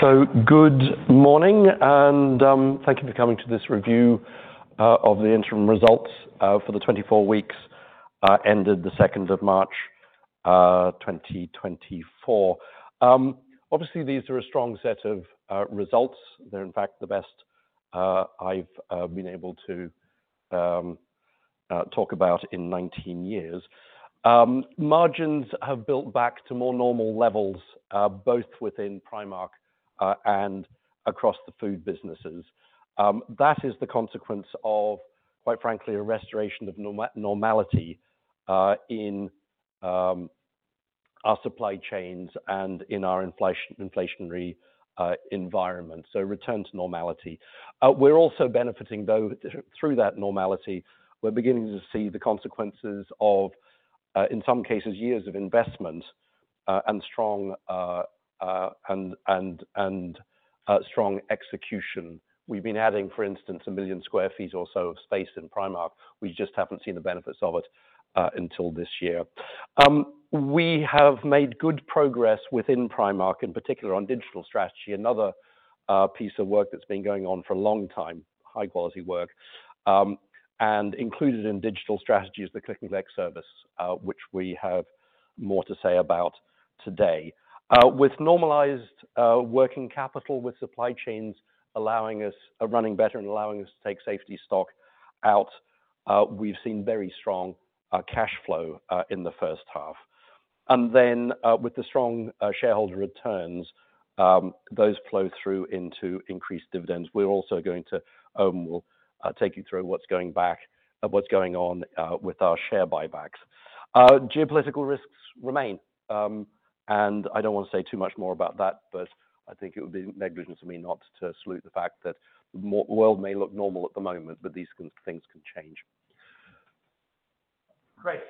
So, good morning, and thank you for coming to this review of the interim results for the 24 weeks ended the 2nd of March, 2024. Obviously these are a strong set of results. They're, in fact, the best I've been able to talk about in 19 years. Margins have built back to more normal levels, both within Primark and across the food businesses. That is the consequence of, quite frankly, a restoration of normality in our supply chains and in our inflationary environment, so return to normality. We're also benefiting, though, through that normality, we're beginning to see the consequences of, in some cases, years of investment and strong execution. We've been adding, for instance, 1 million sq ft or so of space in Primark. We just haven't seen the benefits of it until this year. We have made good progress within Primark, in particular on digital strategy, another piece of work that's been going on for a long time, high-quality work, and included in digital strategy is the Click + Collect service, which we have more to say about today. With normalized working capital, with supply chains allowing us running better and allowing us to take safety stock out, we've seen very strong cash flow in the first half. And then, with the strong shareholder returns, those flow through into increased dividends. We're also going to. Eoin will take you through what's going on with our share buybacks. Geopolitical risks remain, and I don't want to say too much more about that, but I think it would be negligence of me not to salute the fact that the world may look normal at the moment, but these things can change. Great.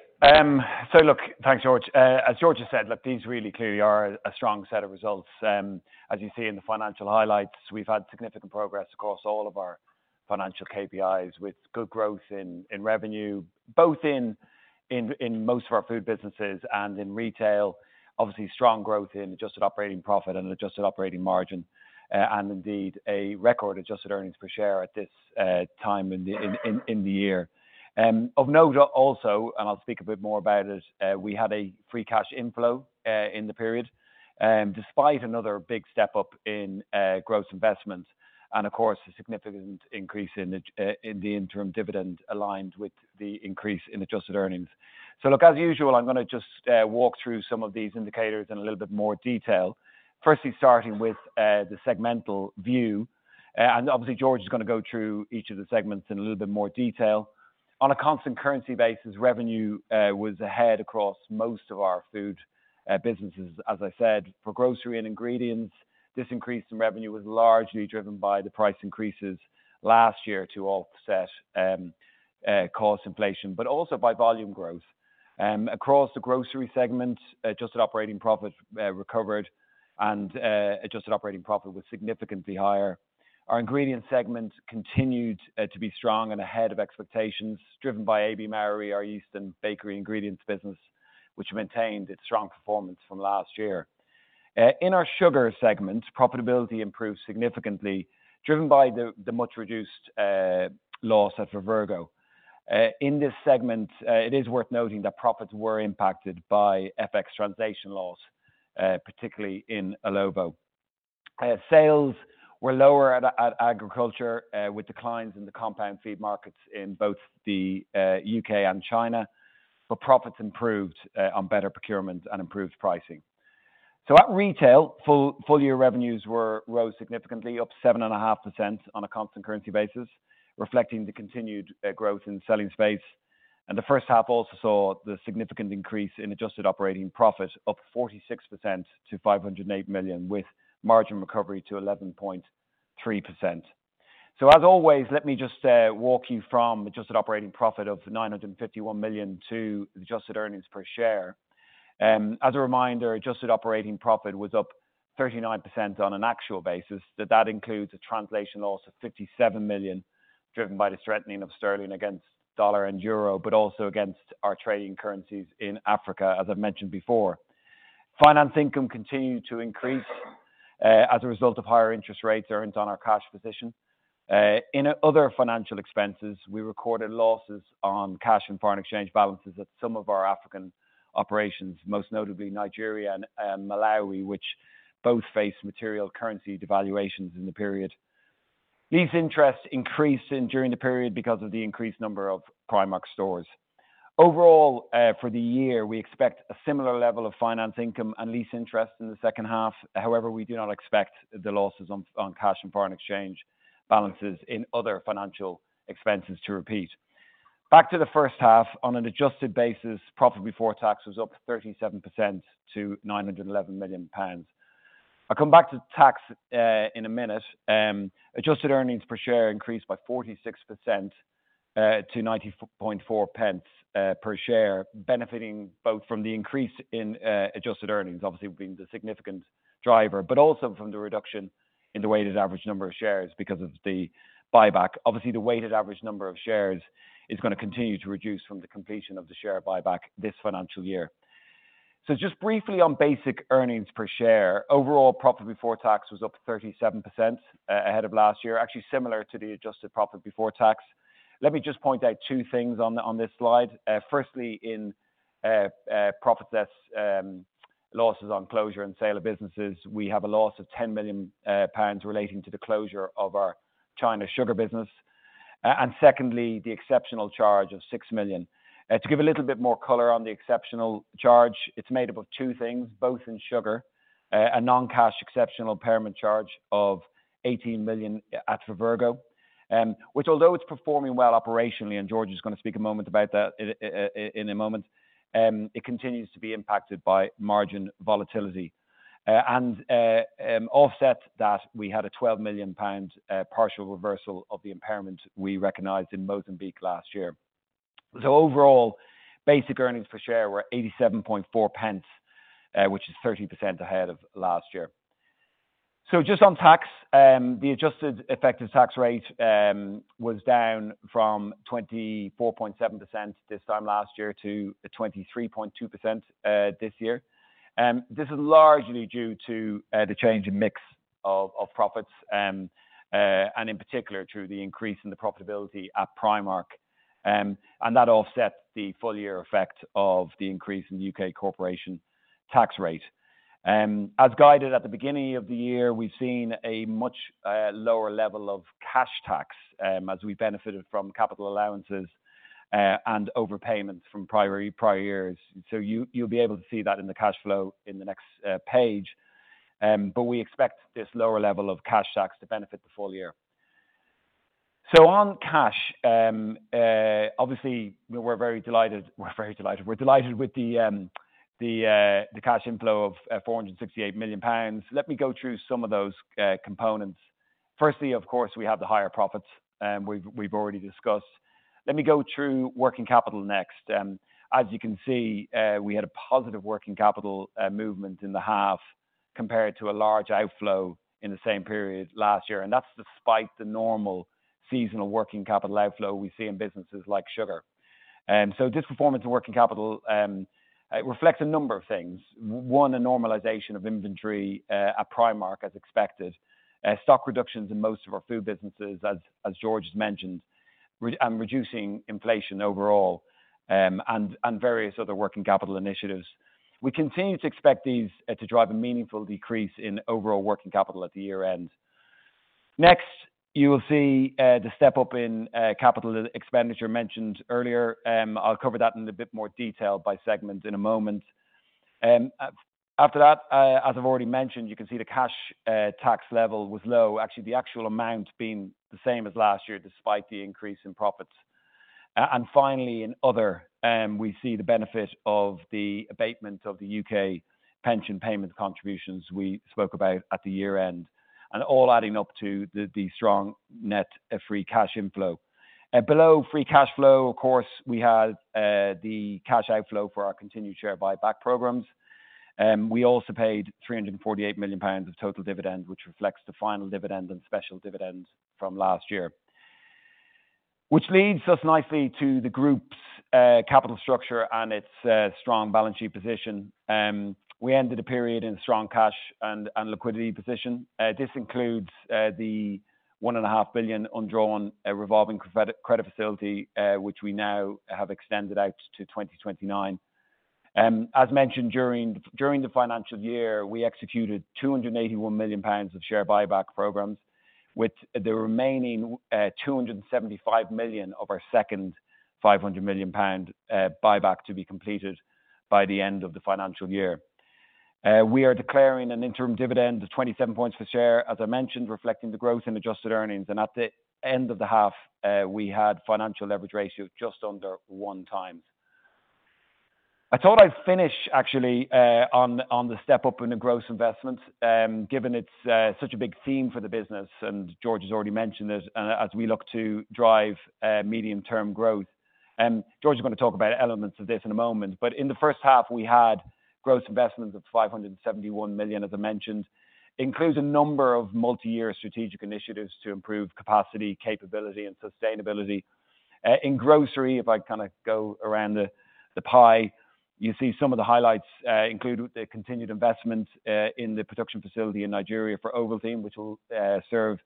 So look, thanks, George. As George has said, look, these really clearly are a strong set of results. As you see in the financial highlights, we've had significant progress across all of our financial KPIs with good growth in revenue, both in most of our food businesses and in retail. Obviously, strong growth in Adjusted operating profit and adjusted operating margin, and indeed a record Adjusted earnings per share at this time in the year. Of note also, and I'll speak a bit more about it, we had a free cash inflow in the period, despite another big step up in gross investment and, of course, a significant increase in the interim dividend aligned with the increase in adjusted earnings. So look, as usual, I'm gonna just walk through some of these indicators in a little bit more detail, firstly starting with the segmental view, and obviously George is gonna go through each of the segments in a little bit more detail. On a constant currency basis, revenue was ahead across most of our food businesses. As I said, for grocery and ingredients, this increase in revenue was largely driven by the price increases last year to offset cost inflation, but also by volume growth. Across the grocery segment, adjusted operating profit recovered and adjusted operating profit was significantly higher. Our ingredients segment continued to be strong and ahead of expectations, driven by AB Mauri, our yeast and bakery ingredients business, which maintained its strong performance from last year. In our sugar segment, profitability improved significantly, driven by the much reduced loss at Vivergo. In this segment, it is worth noting that profits were impacted by FX transaction loss, particularly in Illovo. Sales were lower at agriculture, with declines in the compound feed markets in both the U.K. and China, but profits improved on better procurement and improved pricing. So at retail, full-year revenues rose significantly, up 7.5% on a constant currency basis, reflecting the continued growth in the selling space. And the first half also saw the significant increase in adjusted operating profit, up 46% to 508 million, with margin recovery to 11.3%. So as always, let me just walk you from adjusted operating profit of 951 million to adjusted earnings per share. As a reminder, adjusted operating profit was up 39% on an actual basis. That includes a translation loss of 57 million, driven by the strengthening of sterling against dollar and euro, but also against our trading currencies in Africa, as I've mentioned before. Finance income continued to increase, as a result of higher interest rates earned on our cash position. In other financial expenses, we recorded losses on cash and foreign exchange balances at some of our African operations, most notably Nigeria and Malawi, which both faced material currency devaluations in the period. Lease interest increased during the period because of the increased number of Primark stores. Overall, for the year, we expect a similar level of finance income and lease interest in the second half. However, we do not expect the losses on cash and foreign exchange balances in other financial expenses to repeat. Back to the first half, on an adjusted basis, profit before tax was up 37% to 911 million pounds. I'll come back to tax in a minute. Adjusted earnings per share increased by 46% to 0.904 per share, benefiting both from the increase in adjusted earnings, obviously being the significant driver, but also from the reduction in the weighted average number of shares because of the buyback. Obviously, the weighted average number of shares is gonna continue to reduce from the completion of the share buyback this financial year. So just briefly on basic earnings per share, overall profit before tax was up 37%, ahead of last year, actually similar to the adjusted profit before tax. Let me just point out two things on this slide. Firstly, in profits, that's losses on closure and sale of businesses, we have a loss of 10 million pounds relating to the closure of our China sugar business. And secondly, the exceptional charge of 6 million. To give a little bit more color on the exceptional charge, it's made up of two things, both in sugar, a non-cash exceptional impairment charge of 18 million at Vivergo, which although it's performing well operationally, and George is gonna speak a moment about that in a moment, it continues to be impacted by margin volatility, and offset by that we had a 12 million pound partial reversal of the impairment we recognised in Mozambique last year. So overall, basic earnings per share were 0.874, which is 30% ahead of last year. So just on tax, the adjusted effective tax rate was down from 24.7% this time last year to 23.2% this year. This is largely due to the change in mix of profits, and in particular through the increase in the profitability at Primark, and that offset the full-year effect of the increase in the U.K. corporation tax rate. As guided at the beginning of the year, we've seen a much lower level of cash tax, as we benefited from capital allowances, and overpayments from prior years. So you'll be able to see that in the cash flow in the next page, but we expect this lower level of cash tax to benefit the full year. So on cash, obviously we're delighted with the cash inflow of 468 million pounds. Let me go through some of those components. Firstly, of course, we have the higher profits we've already discussed. Let me go through working capital next. As you can see, we had a positive working capital movement in the half compared to a large outflow in the same period last year, and that's despite the normal seasonal working capital outflow we see in businesses like sugar. So this performance in working capital reflects a number of things. One, a normalization of inventory at Primark as expected, stock reductions in most of our food businesses as George has mentioned, reducing inflation overall, and various other working capital initiatives. We continue to expect these to drive a meaningful decrease in overall working capital at the year-end. Next, you will see the step up in capital expenditure mentioned earlier. I'll cover that in a bit more detail by segment in a moment. After that, as I've already mentioned, you can see the cash tax level was low, actually the actual amount being the same as last year despite the increase in profits. And finally in other, we see the benefit of the abatement of the U.K. pension payment contributions we spoke about at the year-end, and all adding up to the strong net free cash inflow. Below free cash flow, of course, we had the cash outflow for our continued share buyback programs. We also paid 348 million pounds of total dividend, which reflects the final dividend and special dividend from last year. Which leads us nicely to the group's capital structure and its strong balance sheet position. We ended a period in a strong cash and liquidity position. This includes the 1.5 billion undrawn revolving credit facility, which we now have extended out to 2029. As mentioned during the financial year, we executed 281 million pounds of share buyback programs, with the remaining 275 million of our second 500 million pound buyback to be completed by the end of the financial year. We are declaring an interim dividend of 27 points per share, as I mentioned, reflecting the growth in adjusted earnings. At the end of the half, we had financial leverage ratio just under 1 times. I thought I'd finish actually on the step up in the gross investments, given it's such a big theme for the business, and George has already mentioned it, and as we look to drive medium-term growth. George is gonna talk about elements of this in a moment, but in the first half we had gross investments of 571 million, as I mentioned, includes a number of multi-year strategic initiatives to improve capacity, capability, and sustainability. In grocery, if I kind of go around the pie, you see some of the highlights, include the continued investment in the production facility in Nigeria for Ovaltine, which will serve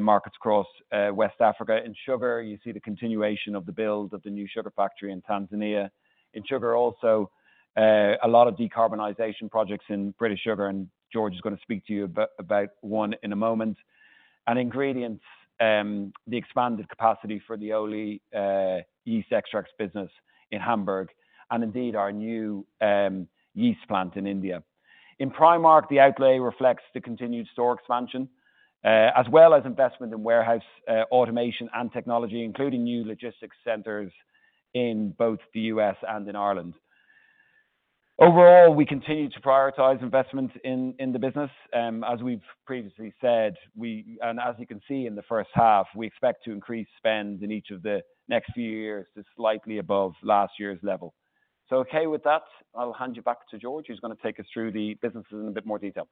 markets across West Africa. In sugar, you see the continuation of the build of the new sugar factory in Tanzania. In sugar also, a lot of decarbonization projects in British Sugar, and George is gonna speak to you about one in a moment. Ingredients, the expanded capacity for the Ohly yeast extracts business in Hamburg, and indeed our new yeast plant in India. In Primark, the outlay reflects the continued store expansion, as well as investment in warehouse automation and technology, including new logistics centres in both the U.S. and in Ireland. Overall, we continue to prioritize investment in the business. As we've previously said, we and as you can see in the first half, we expect to increase spend in each of the next few years to slightly above last year's level. So okay with that, I'll hand you back to George, who's gonna take us through the businesses in a bit more detail.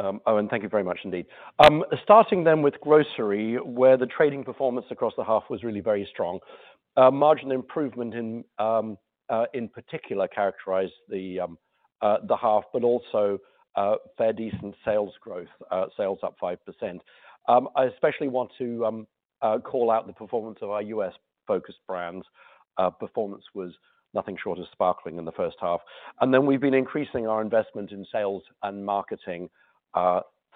Eoin, thank you very much indeed. Starting then with grocery, where the trading performance across the half was really very strong. Margin improvement, in particular, characterized the half, but also fairly decent sales growth, sales up 5%. I especially want to call out the performance of our U.S.-focused brands. Performance was nothing short of sparkling in the first half. And then we've been increasing our investment in sales and marketing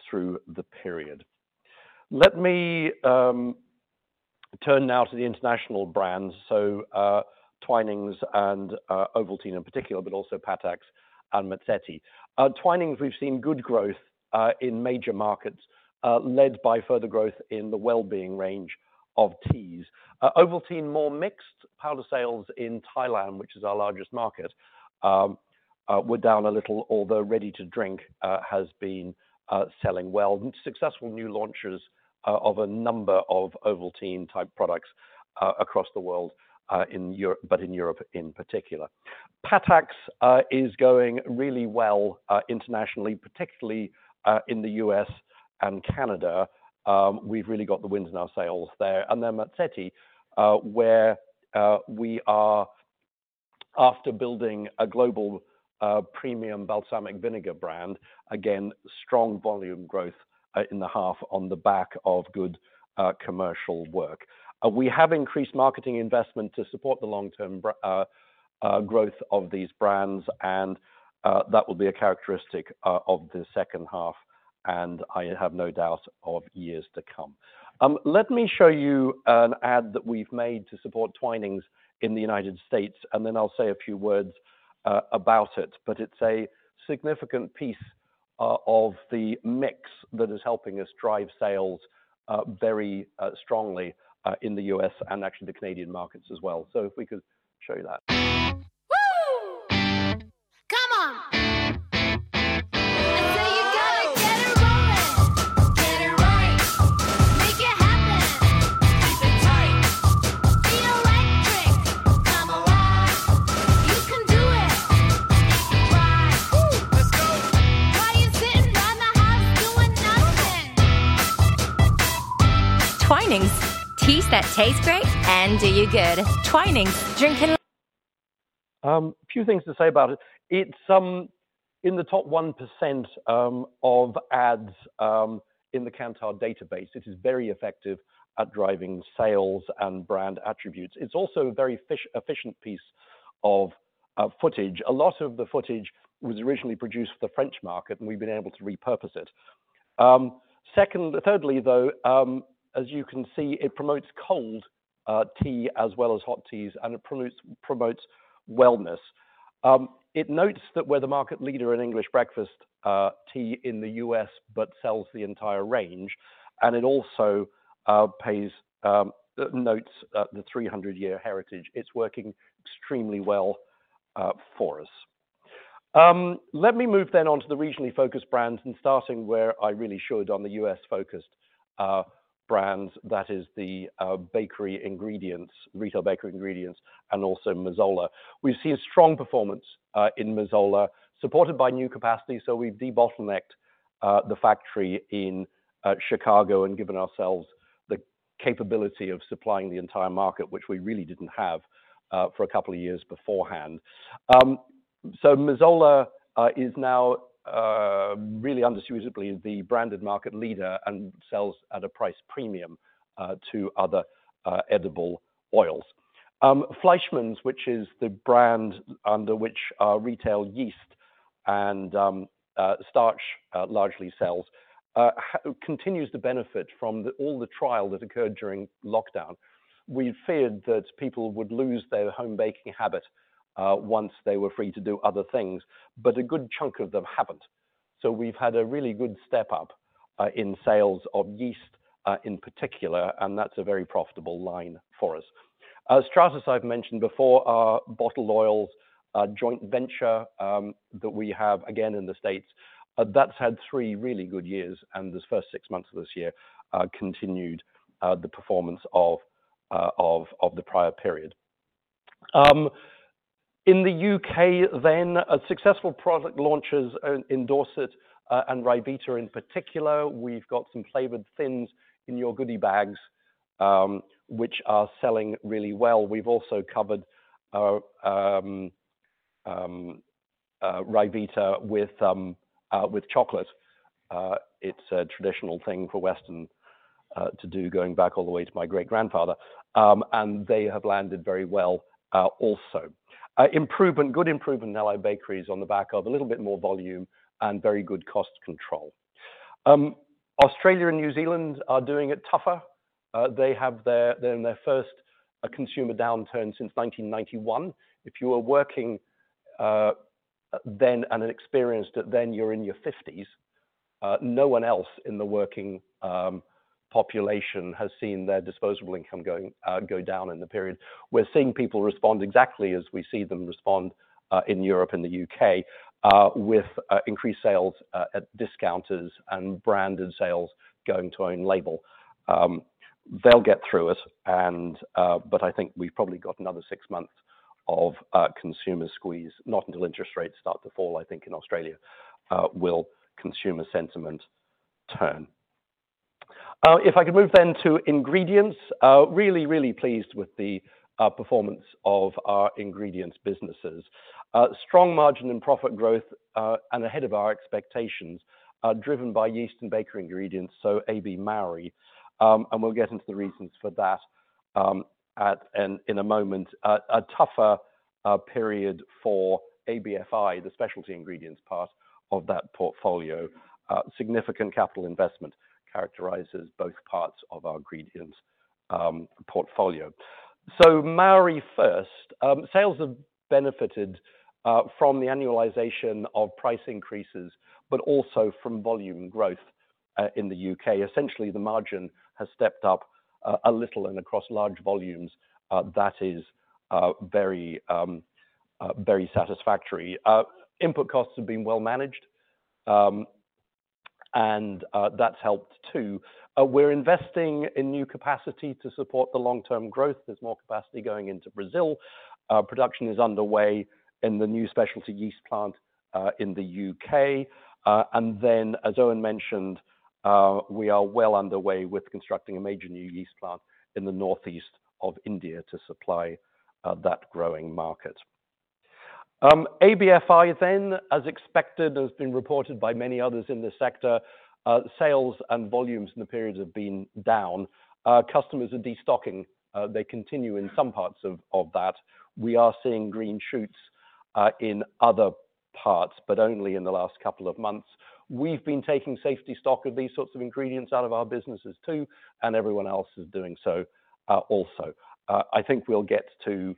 through the period. Let me turn now to the international brands. So, Twinings and Ovaltine in particular, but also Patak's and Mazzetti. Twinings, we've seen good growth in major markets, led by further growth in the wellbeing range of teas. Ovaltine, more mixed. Powder sales in Thailand, which is our largest market, were down a little, although Ready to Drink has been selling well. Successful new launches of a number of Ovaltine-type products across the world, in Europe but in Europe in particular. Patak's is going really well internationally, particularly in the U.S. and Canada. We've really got the wind in our sails there. And then Mazzetti, where we are after building a global premium balsamic vinegar brand, again, strong volume growth in the half on the back of good commercial work. We have increased marketing investment to support the long-term brand growth of these brands, and that will be a characteristic of the second half, and I have no doubt of years to come. Let me show you an ad that we've made to support Twinings in the United States, and then I'll say a few words about it. But it's a significant piece of the mix that is helping us drive sales very strongly in the U.S. and actually the Canadian markets as well. So if we could show you that. Woo! Come on! And say you gotta get it rolling. Get it right. Make it happen. Keep it tight. Be electric. Come alive. You can do it. If you try. Woo! Let's go! Why are you sitting by my house doing nothing? Twinings, teas that taste great and do you good. Twinings, drinking. A few things to say about it. It's in the top 1% of ads in the Kantar database. It is very effective at driving sales and brand attributes. It's also a very cost-efficient piece of footage. A lot of the footage was originally produced for the French market, and we've been able to repurpose it. Secondly, thirdly, though, as you can see, it promotes cold tea as well as hot teas, and it promotes wellness. It notes that we're the market leader in English Breakfast tea in the U.S. but sells the entire range. And it also pays homage to the 300-year heritage. It's working extremely well for us. Let me move then onto the regionally focused brands, and starting where I really should on the U.S.-focused brands, that is the bakery ingredients, retail bakery ingredients, and also Mazola. We've seen strong performance in Mazola, supported by new capacity. So we've debottlenecked the factory in Chicago and given ourselves the capability of supplying the entire market, which we really didn't have for a couple of years beforehand. So Mazola is now really undisputedly the branded market leader and sells at a price premium to other edible oils. Fleischmann's, which is the brand under which retail yeast and starch largely sells, continues to benefit from all the trial that occurred during lockdown. We feared that people would lose their home baking habit once they were free to do other things, but a good chunk of them haven't. So we've had a really good step up in sales of yeast, in particular, and that's a very profitable line for us. Stratas, I've mentioned before, our bottled oils joint venture that we have, again, in the States, that's had three really good years, and those first six months of this year continued the performance of the prior period. In the U.K. then, successful product launches in Dorset and Ryvita in particular, we've got some flavoured things in your goody bags, which are selling really well. We've also covered Ryvita with chocolate. It's a traditional thing for Weston to do going back all the way to my great-grandfather, and they have landed very well also. Good improvement in Allied Bakeries on the back of a little bit more volume and very good cost control. Australia and New Zealand are doing it tougher. They're in their first consumer downturn since 1991. If you were working then and experienced it then, you're in your 50s. No one else in the working population has seen their disposable income go down in the period. We're seeing people respond exactly as we see them respond in Europe and the U.K. with increased sales at discounters and branded sales going to own label. They'll get through us, but I think we've probably got another six months of consumer squeeze. Not until interest rates start to fall, I think, in Australia, will consumer sentiment turn. If I could move then to ingredients, really pleased with the performance of our ingredients businesses. Strong margin and profit growth, and ahead of our expectations, driven by yeast and bakery ingredients, so AB Mauri. We'll get into the reasons for that in a moment. A tougher period for ABFI, the specialty ingredients part of that portfolio. Significant capital investment characterises both parts of our ingredients portfolio. So AB Mauri first. Sales have benefited from the annualization of price increases, but also from volume growth in the U.K. Essentially, the margin has stepped up a little and across large volumes, that is very, very satisfactory. Input costs have been well managed, and that's helped too. We're investing in new capacity to support the long-term growth. There's more capacity going into Brazil. Production is underway in the new specialty yeast plant in the U.K. And then, as Eoin mentioned, we are well underway with constructing a major new yeast plant in the northeast of India to supply that growing market. ABFI, then, as expected and has been reported by many others in the sector, sales and volumes in the period have been down. Customers are destocking. They continue in some parts of that. We are seeing green shoots, in other parts, but only in the last couple of months. We've been taking safety stock of these sorts of ingredients out of our businesses too, and everyone else is doing so, also. I think we'll get to,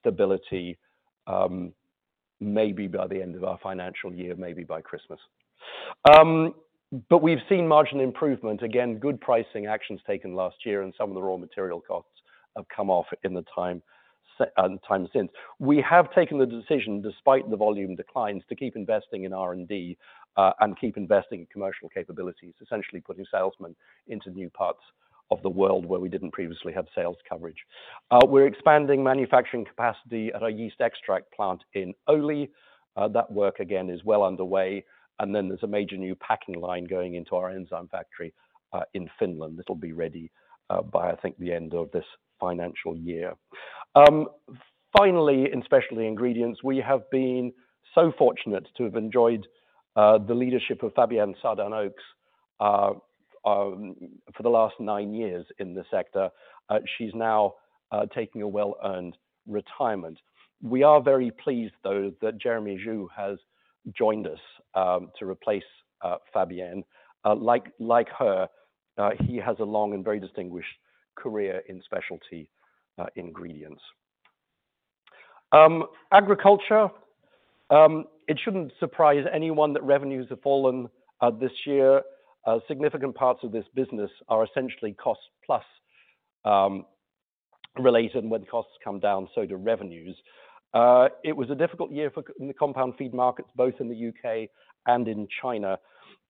stability, maybe by the end of our financial year, maybe by Christmas. But we've seen margin improvement. Again, good pricing actions taken last year, and some of the raw material costs have come off in the same time since. We have taken the decision, despite the volume declines, to keep investing in R&D, and keep investing in commercial capabilities, essentially putting salesmen into new parts of the world where we didn't previously have sales coverage. We're expanding manufacturing capacity at our yeast extract plant in Ohly. That work, again, is well underway. And then there's a major new packing line going into our enzyme factory in Finland. It'll be ready by, I think, the end of this financial year. Finally, in specialty ingredients, we have been so fortunate to have enjoyed the leadership of Fabienne Saadane-Oaks for the last nine years in the sector. She's now taking a well-earned retirement. We are very pleased, though, that Jeremy Xu has joined us to replace Fabienne. Like her, he has a long and very distinguished career in specialty ingredients agriculture. It shouldn't surprise anyone that revenues have fallen this year. Significant parts of this business are essentially cost-plus related, and when costs come down, so do revenues. It was a difficult year for the compound feed markets, both in the U.K. and in China.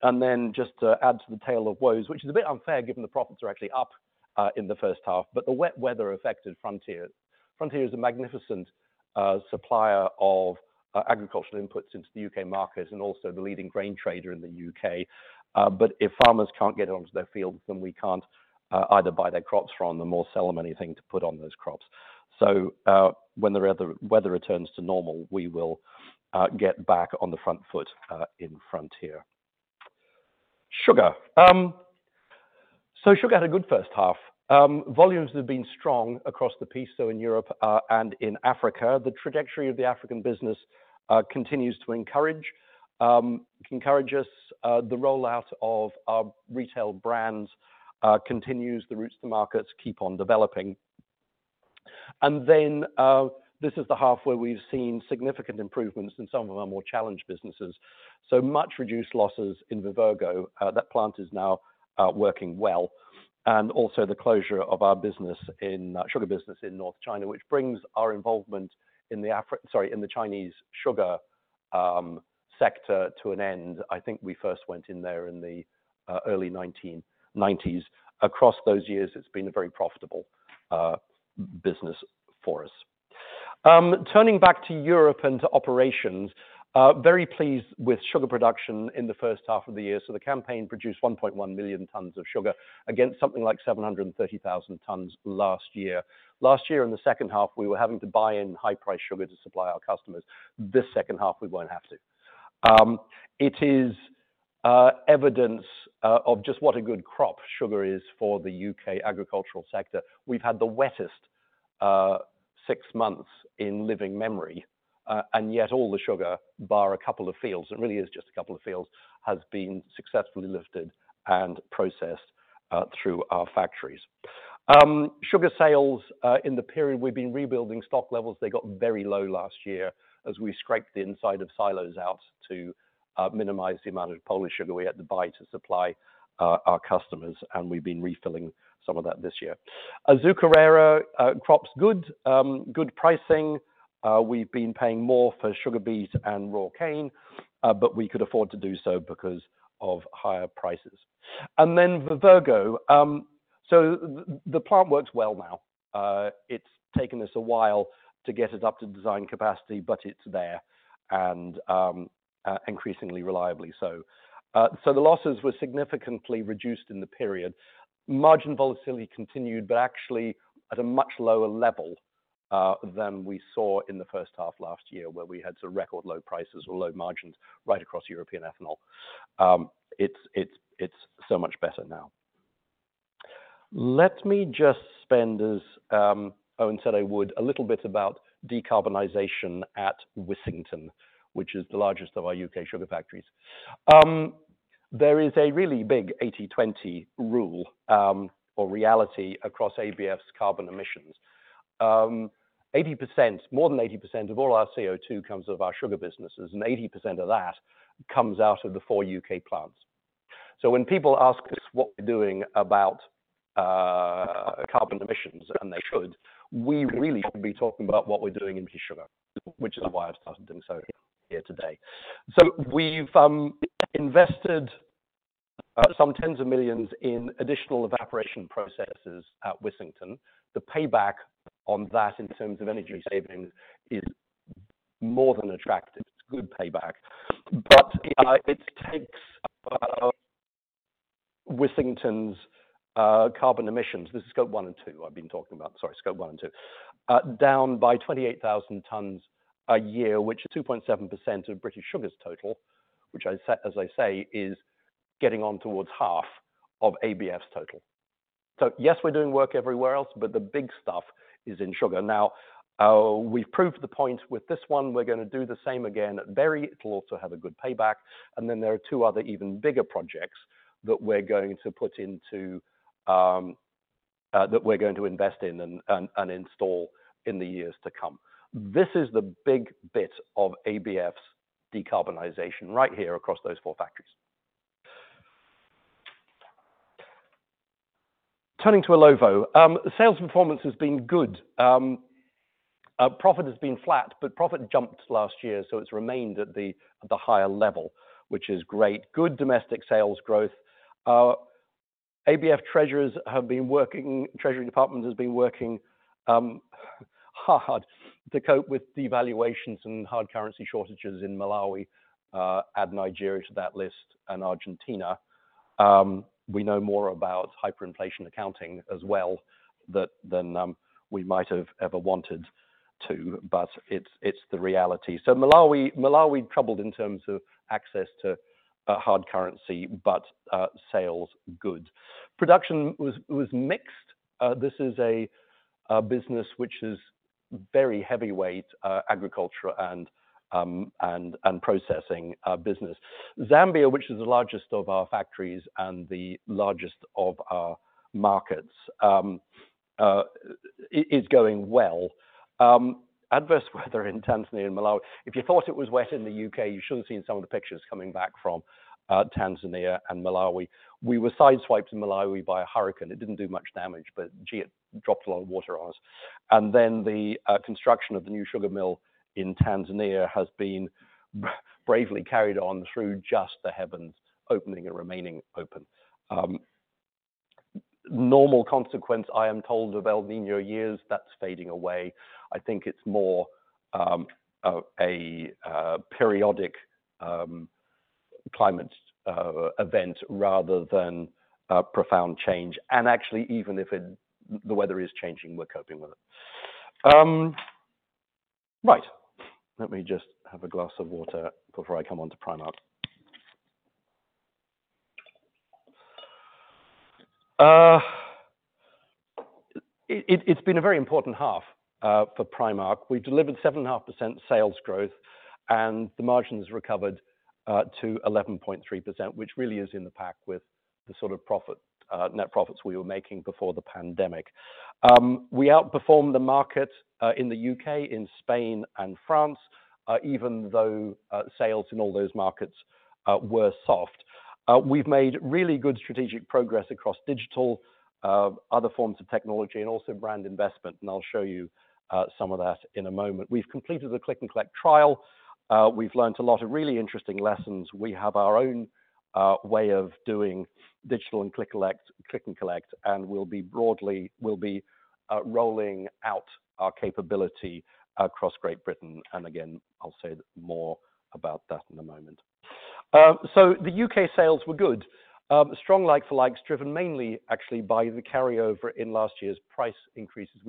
And then just to add to the tale of woes, which is a bit unfair given the profits are actually up in the first half, but the wet weather affected Frontier. Frontier is a magnificent supplier of agricultural inputs into the U.K. markets and also the leading grain trader in the U.K. But if farmers can't get it onto their fields, then we can't either buy their crops from them or sell them anything to put on those crops. So, when the weather returns to normal, we will get back on the front foot in Frontier. Sugar. So sugar had a good first half. Volumes have been strong across the piece, so in Europe and in Africa. The trajectory of the African business continues to encourage us. The rollout of our retail brands continues. The routes to markets keep on developing. And then, this is the half where we've seen significant improvements in some of our more challenged businesses. So, much reduced losses in Vivergo. That plant is now working well. And also the closure of our business in sugar business in North China, which brings our involvement in the Afri, sorry, in the Chinese sugar sector to an end. I think we first went in there in the early 1990s. Across those years, it's been a very profitable business for us. Turning back to Europe and to operations, very pleased with sugar production in the first half of the year. So the campaign produced 1.1 million tons of sugar against something like 730,000 tons last year. Last year, in the second half, we were having to buy in high-priced sugar to supply our customers. This second half, we won't have to. It is evidence of just what a good crop sugar is for the U.K. agricultural sector. We've had the wettest six months in living memory, and yet all the sugar, bar a couple of fields—it really is just a couple of fields—has been successfully lifted and processed through our factories. Sugar sales in the period we've been rebuilding stock levels. They got very low last year as we scraped the inside of silos out to minimize the amount of Polish sugar we had to buy to supply our customers. And we've been refilling some of that this year. Azucarera crops good, good pricing. We've been paying more for sugar beet and raw cane, but we could afford to do so because of higher prices. And then Vivergo. So the plant works well now. It's taken us a while to get it up to design capacity, but it's there and, increasingly reliably so. So the losses were significantly reduced in the period. Margin volatility continued, but actually at a much lower level than we saw in the first half last year where we had some record low prices or low margins right across European ethanol. It's so much better now. Let me just spend, as Eoin said I would, a little bit about decarbonization at Wissington, which is the largest of our U.K. sugar factories. There is a really big 80/20 rule, or reality across ABF's carbon emissions. More than 80% of all our CO2 comes out of our sugar businesses, and 80% of that comes out of the four U.K. plants. So when people ask us what we're doing about carbon emissions, and they should, we really should be talking about what we're doing in sugar, which is why I've started doing so here today. So we've invested some tens of millions GBP in additional evaporation processes at Wissington. The payback on that in terms of energy savings is more than attractive. It's good payback. But it takes about Wissington's carbon emissions this is scope one and two I've been talking about. Sorry, scope one and two. down by 28,000 tons a year, which is 2.7% of British Sugar's total, which I set as I say is getting on towards half of ABF's total. So yes, we're doing work everywhere else, but the big stuff is in sugar. Now, we've proved the point with this one. We're going to do the same again. Very it'll also have a good payback. And then there are two other even bigger projects that we're going to invest in and install in the years to come. This is the big bit of ABF's decarbonization right here across those four factories. Turning to Illovo. Sales performance has been good. Profit has been flat, but profit jumped last year, so it's remained at the higher level, which is great. Good domestic sales growth. ABF Treasury Department has been working hard to cope with devaluations and hard currency shortages in Malawi, add Nigeria to that list, and Argentina. We know more about hyperinflation accounting as well than we might have ever wanted to, but it's the reality. So Malawi is troubled in terms of access to hard currency, but sales good. Production was mixed. This is a business which is very heavyweight agriculture and processing business. Zambia, which is the largest of our factories and the largest of our markets, is going well. Adverse weather in Tanzania and Malawi. If you thought it was wet in the U.K., you should have seen some of the pictures coming back from Tanzania and Malawi. We were sideswiped in Malawi by a hurricane. It didn't do much damage, but gee, it dropped a lot of water on us. And then the construction of the new sugar mill in Tanzania has been bravely carried on through just the heavens opening and remaining open. Normal consequence, I am told, of El Niño years. That's fading away. I think it's more a periodic climate event rather than profound change. And actually, even if the weather is changing, we're coping with it, right. Let me just have a glass of water before I come on to Primark. It's been a very important half for Primark. We've delivered 7.5% sales growth, and the margin has recovered to 11.3%, which really is in the pack with the sort of profit, net profits we were making before the pandemic. We outperformed the market in the U.K., in Spain, and France, even though sales in all those markets were soft. We've made really good strategic progress across digital, other forms of technology, and also brand investment. And I'll show you some of that in a moment. We've completed the Click and Collect trial. We've learned a lot of really interesting lessons. We have our own way of doing digital and click and collect, click and collect, and we'll be broadly rolling out our capability across Great Britain. And again, I'll say more about that in a moment. So the U.K. sales were good. Strong like-for-likes, driven mainly, actually, by the carryover in last year's price increases.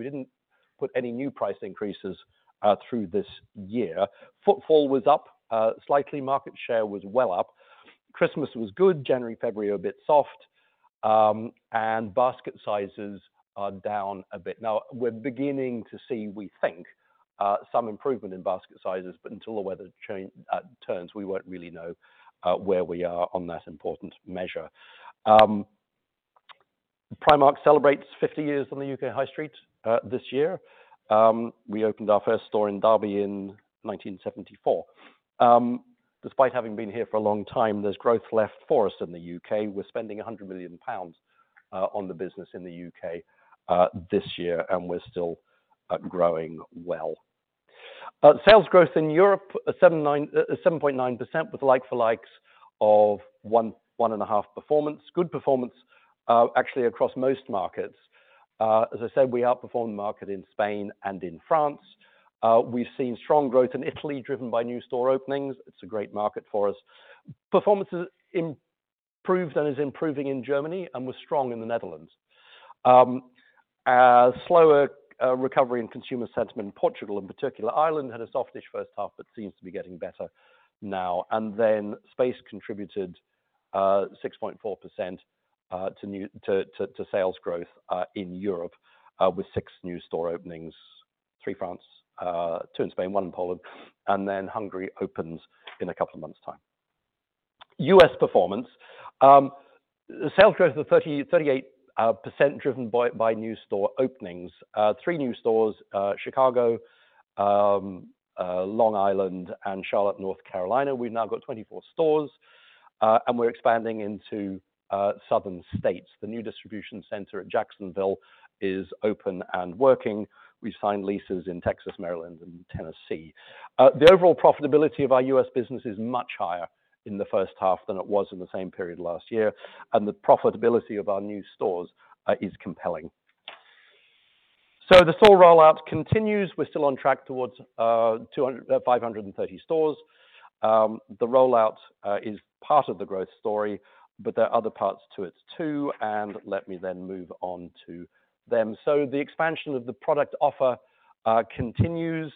We didn't put any new price increases through this year. Footfall was up, slightly. Market share was well up. Christmas was good. January, February are a bit soft. And basket sizes are down a bit. Now, we're beginning to see, we think, some improvement in basket sizes, but until the weather changes turns, we won't really know where we are on that important measure. Primark celebrates 50 years on the U.K. High Street, this year. We opened our first store in Derby in 1974. Despite having been here for a long time, there's growth left for us in the U.K. We're spending 100 million pounds on the business in the U.K., this year, and we're still growing well. Sales growth in Europe, 7.9% with like-for-likes of 1.5% performance. Good performance, actually, across most markets. As I said, we outperformed the market in Spain and in France. We've seen strong growth in Italy, driven by new store openings. It's a great market for us. Performance has improved and is improving in Germany and was strong in the Netherlands. Slower recovery in consumer sentiment in Portugal, in particular. Ireland had a softish first half but seems to be getting better now. Spain contributed 6.4% to new sales growth in Europe, with six new store openings: three in France, two in Spain, one in Poland, and then Hungary opens in a couple of months' time. U.S. performance. Sales growth of 38% driven by new store openings. Three new stores, Chicago, Long Island, and Charlotte, North Carolina. We've now got 24 stores, and we're expanding into southern states. The new distribution center at Jacksonville is open and working. We've signed leases in Texas, Maryland, and Tennessee. The overall profitability of our U.S. business is much higher in the first half than it was in the same period last year, and the profitability of our new stores is compelling. So the store rollout continues. We're still on track towards 200-530 stores. The rollout is part of the growth story, but there are other parts to it too. And let me then move on to them. So the expansion of the product offer continues,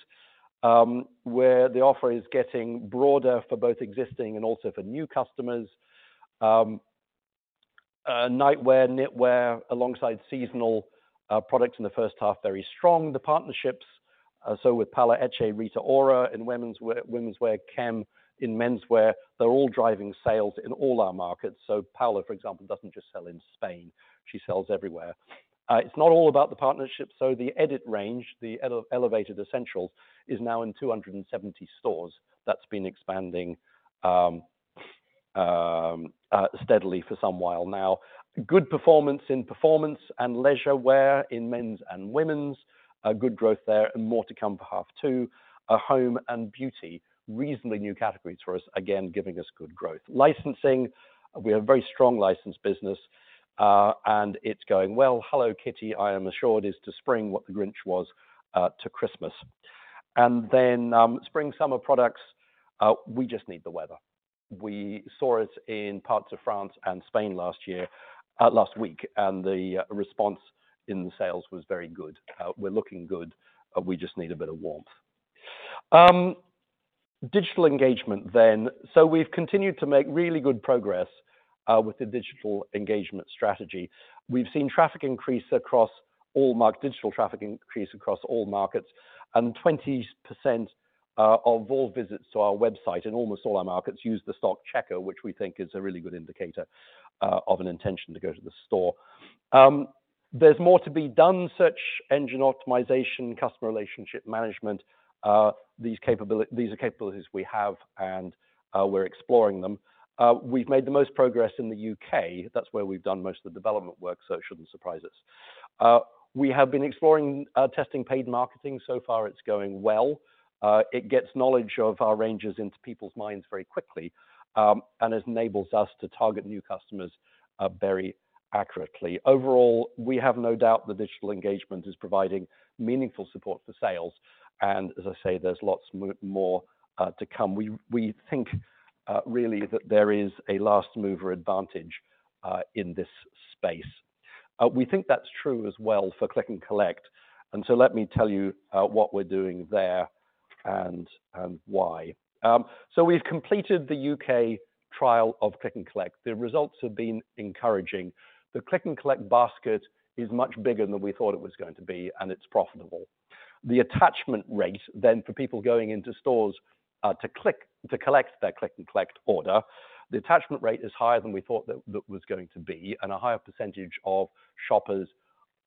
where the offer is getting broader for both existing and also for new customers. Nightwear, knitwear, alongside seasonal products in the first half, very strong. The partnerships, so with Paula Echevarría, Rita Ora in women's wear, women's wear, Kem in menswear, they're all driving sales in all our markets. So Paula, for example, doesn't just sell in Spain. She sells everywhere. It's not all about the partnership. So The Edit range, the elevated essentials, is now in 270 stores. That's been expanding, steadily for some while now. Good performance in performance and leisure wear in men's and women's. Good growth there and more to come for half two. Home and beauty, reasonably new categories for us, again, giving us good growth. Licensing. We have a very strong licensing business, and it's going well. "Hello Kitty is to spring what the Grinch was to Christmas." Then, spring, summer products, we just need the weather. We saw it in parts of France and Spain last year, last week, and the response in the sales was very good. We're looking good. We just need a bit of warmth. Digital engagement, then. So we've continued to make really good progress with the digital engagement strategy. We've seen traffic increase across all markets, digital traffic increase across all markets. And 20% of all visits to our website in almost all our markets use the stock checker, which we think is a really good indicator of an intention to go to the store. There's more to be done: search engine optimization, customer relationship management. These capabilities, these are capabilities we have, and we're exploring them. We've made the most progress in the U.K. That's where we've done most of the development work, so it shouldn't surprise us. We have been exploring, testing paid marketing. So far, it's going well. It gets knowledge of our ranges into people's minds very quickly, and enables us to target new customers, very accurately. Overall, we have no doubt the digital engagement is providing meaningful support for sales. And as I say, there's lots more to come. We think, really, that there is a last mover advantage in this space. We think that's true as well for Click and Collect. So let me tell you what we're doing there and why. We've completed the U.K. trial of Click and Collect. The results have been encouraging. The Click and Collect basket is much bigger than we thought it was going to be, and it's profitable. The attachment rate, then, for people going into stores to Click + Collect their Click + Collect order, the attachment rate is higher than we thought that was going to be, and a higher percentage of shoppers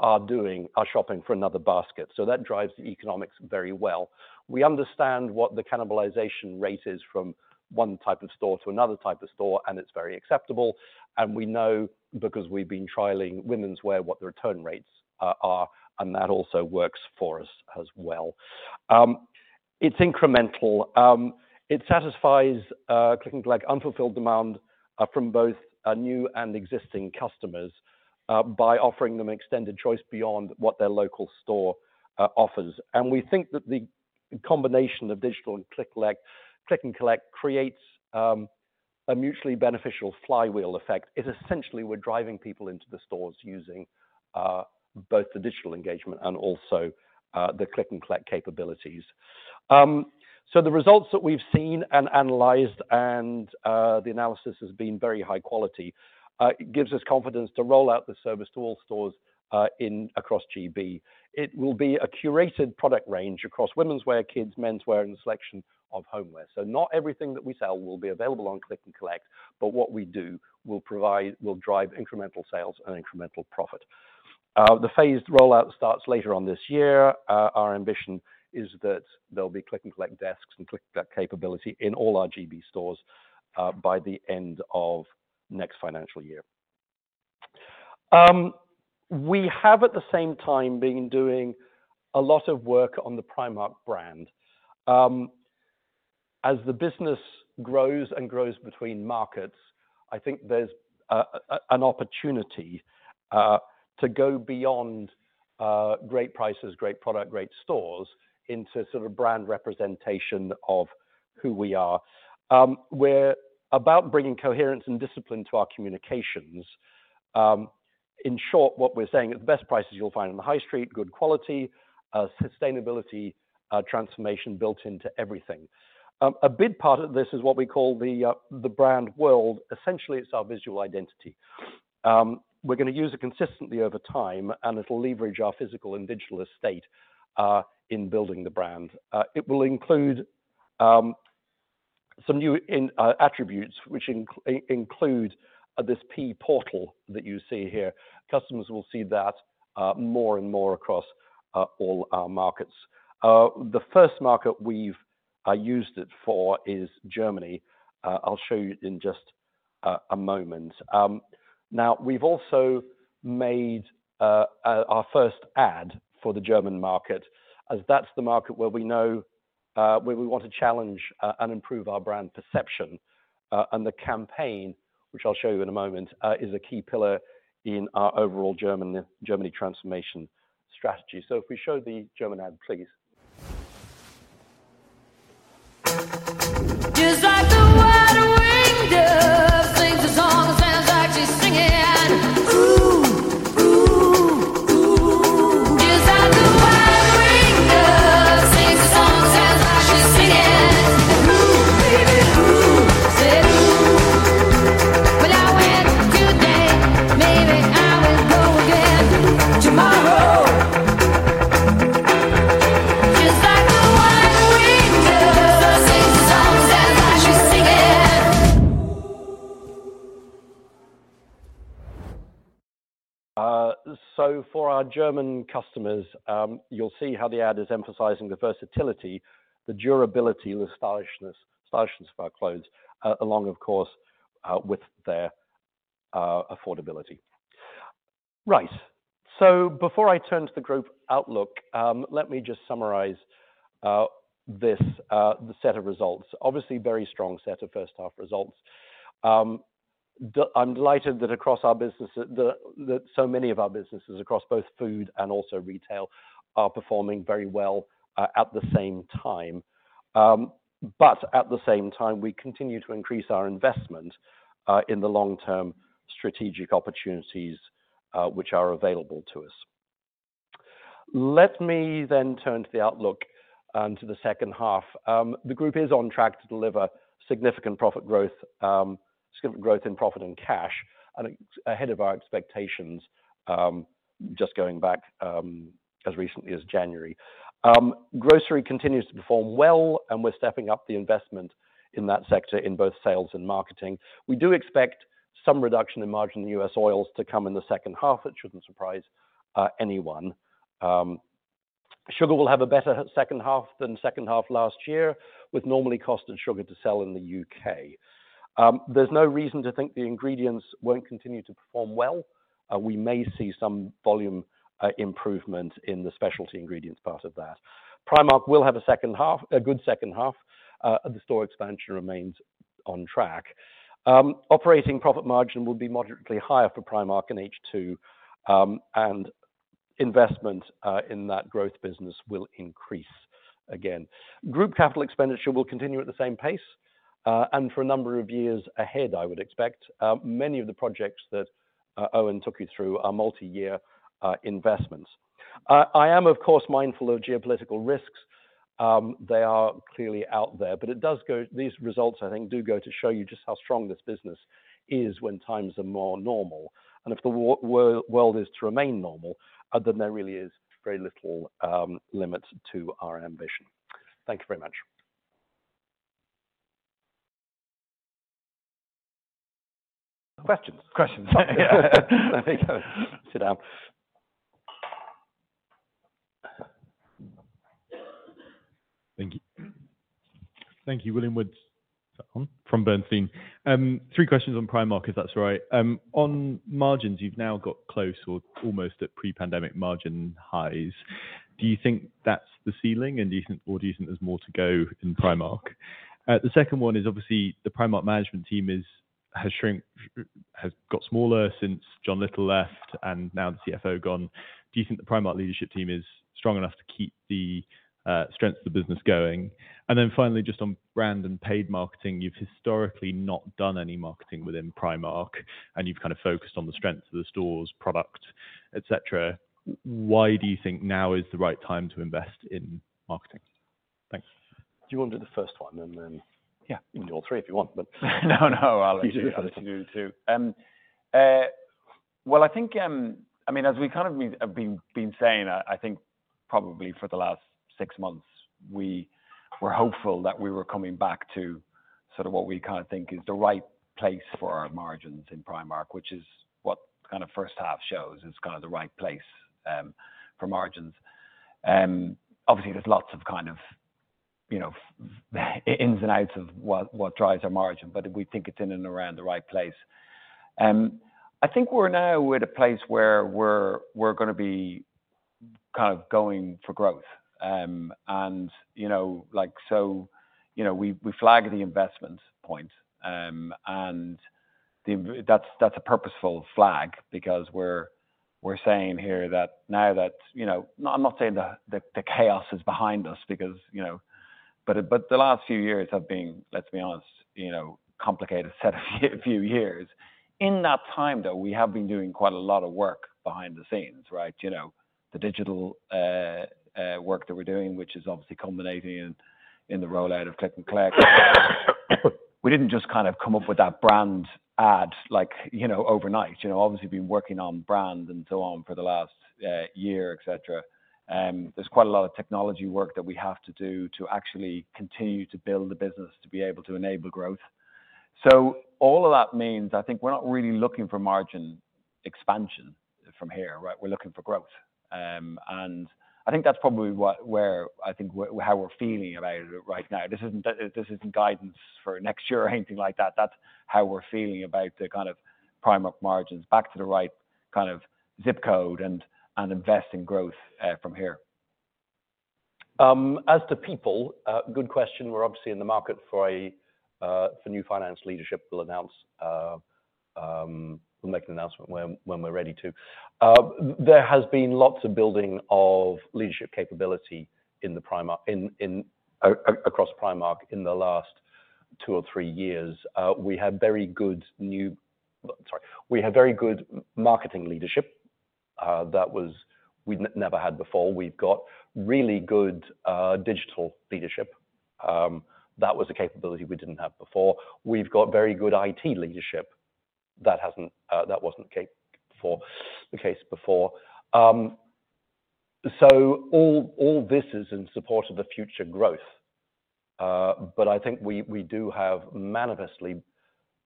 are doing shopping for another basket. So that drives the economics very well. We understand what the cannibalisation rate is from one type of store to another type of store, and it's very acceptable. And we know because we've been trialling women's wear what the return rates are, and that also works for us as well. It's incremental. It satisfies Click + Collect unfulfilled demand from both new and existing customers by offering them extended choice beyond what their local store offers. And we think that the combination of digital and Click + Collect creates a mutually beneficial flywheel effect. It essentially, we're driving people into the stores using both the digital engagement and also the Click + Collect capabilities. So the results that we've seen and analyzed, and the analysis has been very high quality, gives us confidence to roll out the service to all stores across GB. It will be a curated product range across women's wear, kids, menswear, and selection of homewear. So not everything that we sell will be available on Click + Collect, but what we do provide will drive incremental sales and incremental profit. The phased rollout starts later on this year. Our ambition is that there'll be Click + Collect desks and Click + Collect capability in all our GB stores by the end of next financial year. We have, at the same time, been doing a lot of work on the Primark brand. As the business grows and grows between markets, I think there's an opportunity to go beyond great prices, great product, great stores into sort of brand representation of who we are. We're about bringing coherence and discipline to our communications. In short, what we're saying is the best prices you'll find in the High Street, good quality, sustainability, transformation built into everything. A big part of this is what we call the brand world. Essentially, it's our visual identity. We're going to use it consistently over time, and it'll leverage our physical and digital estate in building the brand. It will include some new attributes which include this P portal that you see here. Customers will see that more and more across all our markets. The first market we've used it for is Germany. I'll show you in just a moment. Now, we've also made our first ad for the German market, as that's the market where we know where we want to challenge and improve our brand perception. And the campaign, which I'll show you in a moment, is a key pillar in our overall Germany transformation strategy. So if we show the German ad, please. Just like the white-winged dove sings a song, it sounds like she's singing. Ooh, ooh, ooh. Just like the white-winged dove sings a song, it sounds like she's singing. Ooh, baby, ooh. Say it, ooh. When I went today, maybe I will go again tomorrow. Just like the white-winged dove sings a song, it sounds like she's singing. So for our German customers, you'll see how the ad is emphasizing the versatility, the durability, the stylishness of our clothes, along, of course, with their affordability. Right. So before I turn to the group outlook, let me just summarize this, the set of results. Obviously, very strong set of first-half results. I'm delighted that across our business that so many of our businesses across both food and also retail are performing very well, at the same time. But at the same time, we continue to increase our investment in the long-term strategic opportunities, which are available to us. Let me then turn to the outlook and to the second half. The group is on track to deliver significant profit growth, significant growth in profit and cash, and it's ahead of our expectations, just going back, as recently as January. Grocery continues to perform well, and we're stepping up the investment in that sector in both sales and marketing. We do expect some reduction in margin in U.S. oils to come in the second half. It shouldn't surprise anyone. Sugar will have a better second half than second half last year with normally costed sugar to sell in the U.K. There's no reason to think the ingredients won't continue to perform well. We may see some volume improvement in the specialty ingredients part of that. Primark will have a second half a good second half. The store expansion remains on track. Operating profit margin will be moderately higher for Primark in H2, and investment in that growth business will increase again. Group capital expenditure will continue at the same pace, and for a number of years ahead, I would expect. Many of the projects that Eoin took you through are multi-year investments. I am, of course, mindful of geopolitical risks. They are clearly out there, but it does go these results, I think, do go to show you just how strong this business is when times are more normal. And if the world is to remain normal, then there really is very little limits to our ambition. Thank you very much. Questions? Questions. Yeah. There we go. Sit down. Thank you. Thank you, William Woods from Bernstein. Three questions on Primark, if that's all right. On margins, you've now got close or almost at pre-pandemic margin highs. Do you think that's the ceiling, and do you think there's more to go in Primark? The second one is, obviously, the Primark management team has shrunk, has got smaller since John Lyttle left and now the CFO gone. Do you think the Primark leadership team is strong enough to keep the strengths of the business going? And then finally, just on brand and paid marketing, you've historically not done any marketing within Primark, and you've kind of focused on the strengths of the stores, product, etc. Why do you think now is the right time to invest in marketing? Thanks. Do you want to do the first one, and then? Yeah. You can do all three if you want, but. No, no. I'll let you- Do the first. You do the first. Well, I think, I mean, as we kind of have been saying, I think probably for the last six months, we were hopeful that we were coming back to sort of what we kind of think is the right place for our margins in Primark, which is what kind of first half shows, is kind of the right place for margins. Obviously, there's lots of kind of, you know, of the ins and outs of what, what drives our margin, but we think it's in and around the right place. I think we're now at a place where we're, we're going to be kind of going for growth. And, you know, like, so, you know, we, we flag the investment point, and the investment that's, that's a purposeful flag because we're, we're saying here that now that, you know, I'm not saying the, the, the chaos is behind us because, you know but, but the last few years have been, let's be honest, you know, complicated set of few, few years. In that time, though, we have been doing quite a lot of work behind the scenes, right? You know, the digital work that we're doing, which is obviously culminating in, in the rollout of Click + Collect. We didn't just kind of come up with that brand ad, like, you know, overnight. You know, obviously, we've been working on brand and so on for the last year, etc. There's quite a lot of technology work that we have to do to actually continue to build the business to be able to enable growth. So all of that means I think we're not really looking for margin expansion from here, right? We're looking for growth. And I think that's probably what where I think we're how we're feeling about it right now. This isn't this isn't guidance for next year or anything like that. That's how we're feeling about the kind of Primark margins back to the right kind of zip code and invest in growth from here. As to people, good question. We're obviously in the market for a new finance leadership. We'll announce, we'll make an announcement when we're ready to. There has been lots of building of leadership capability in Primark, across Primark in the last two or three years. We have very good marketing leadership that we'd never had before. We've got really good digital leadership. That was a capability we didn't have before. We've got very good IT leadership that wasn't the case before. So all this is in support of the future growth. But I think we do have manifestly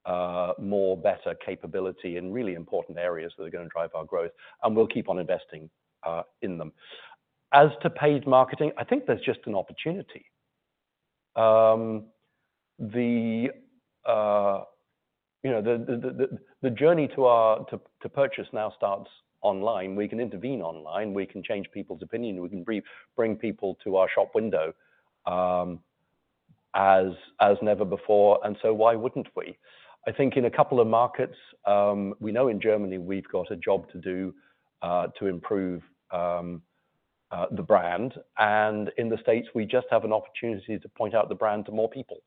better capability in really important areas that are going to drive our growth, and we'll keep on investing in them. As to paid marketing, I think there's just an opportunity. You know, the journey to our purchase now starts online. We can intervene online. We can change people's opinion. We can briefly bring people to our shop window, as never before. So why wouldn't we? I think in a couple of markets, we know in Germany we've got a job to do to improve the brand. And in the States, we just have an opportunity to point out the brand to more people.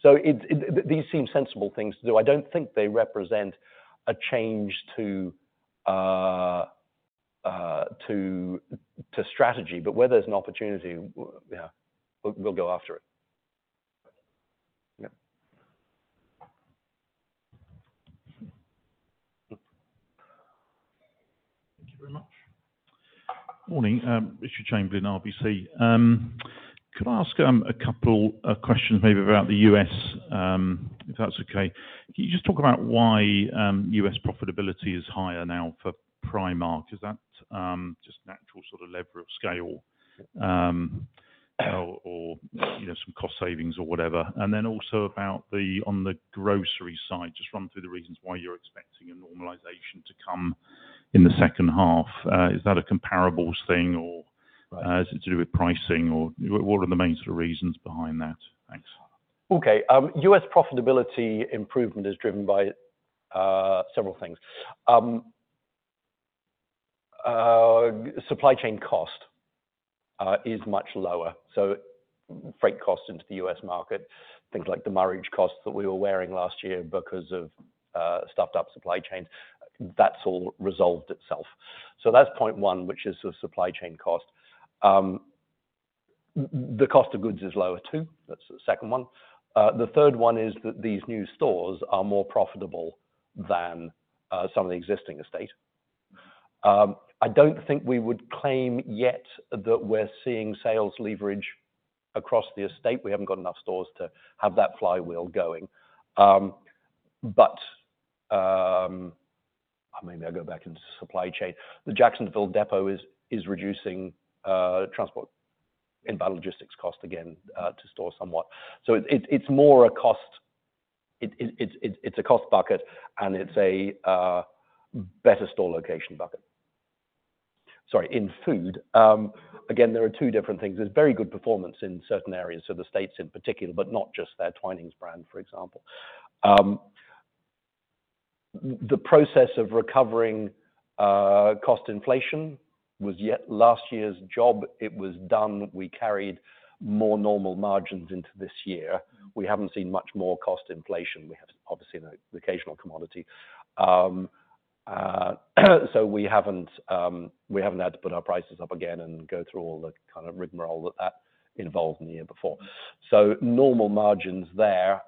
So these seem sensible things to do. I don't think they represent a change to strategy, but where there's an opportunity, yeah, we'll go after it. Thank you very much. Morning. Richard Chamberlain, RBC. Could I ask a couple questions maybe about the U.S., if that's okay? Can you just talk about why U.S. profitability is higher now for Primark? Is that just natural sort of leverage of scale, or you know, some cost savings or whatever? And then also about the, on the grocery side, just run through the reasons why you're expecting a normalization to come in the second half. Is that a comparables thing, or is it to do with pricing, or what are the main sort of reasons behind that? Thanks. Okay. U.S. profitability improvement is driven by several things. Supply chain cost is much lower. So freight costs into the U.S. market, things like the demurrage costs that we were bearing last year because of stuffed-up supply chains, that's all resolved itself. So that's point one, which is sort of supply chain cost. The cost of goods is lower too. That's the second one. The third one is that these new stores are more profitable than some of the existing estate. I don't think we would claim yet that we're seeing sales leverage across the estate. We haven't got enough stores to have that flywheel going. Maybe I'll go back into supply chain. The Jacksonville Depot is reducing transport and better logistics cost again to stores somewhat. So it's more a cost bucket, and it's a better store location bucket. Sorry, in food. Again, there are two different things. There's very good performance in certain areas for the States in particular, but not just their Twinings brand, for example. The process of recovering cost inflation was yet last year's job. It was done. We carried more normal margins into this year. We haven't seen much more cost inflation. We have, obviously, an occasional commodity. So we haven't had to put our prices up again and go through all the kind of rigmarole that that involved in the year before. So normal margins there.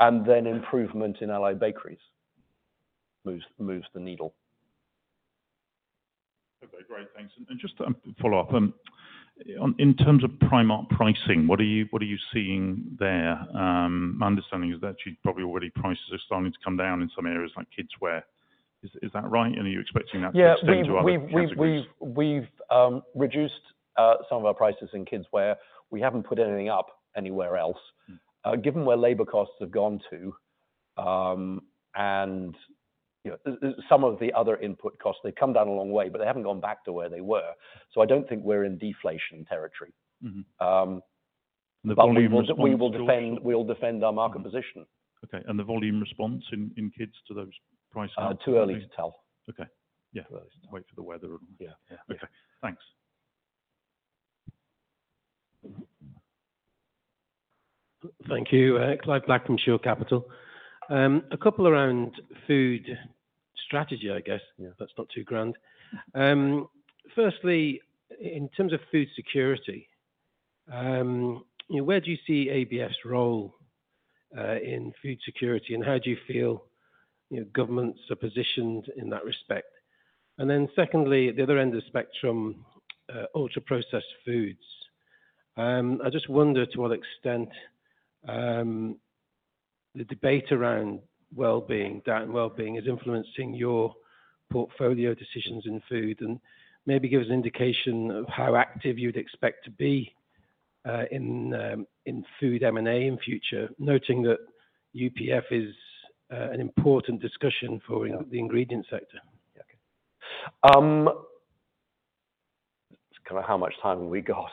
Improvement in Allied Bakeries moves the needle. Okay. Great. Thanks. And just to follow up, in terms of Primark pricing, what are you seeing there? My understanding is that your prices are starting to come down in some areas like kids' wear. Is that right? And are you expecting that to extend to other areas? Yeah. We've reduced some of our prices in kids' wear. We haven't put anything up anywhere else. Given where labor costs have gone to, and, you know, some of the other input costs, they've come down a long way, but they haven't gone back to where they were. So I don't think we're in deflation territory. But we will defend our market position. Okay. And the volume response in kids to those price caps? Too early to tell. Okay. Yeah. Too early to tell. Wait for the weather or? Yeah. Yeah. Okay. Thanks. Thank you, Clive Black from Shore Capital. A couple around food strategy, I guess. That's not too grand. Firstly, in terms of food security, you know, where do you see ABF's role in food security, and how do you feel, you know, governments are positioned in that respect? And then secondly, at the other end of the spectrum, ultra-processed foods. I just wonder to what extent the debate around wellbeing, diet and wellbeing is influencing your portfolio decisions in food and maybe give us an indication of how active you'd expect to be in food M&A in future, noting that UPF is an important discussion for the ingredient sector. Yeah. Okay. That's kind of how much time we got.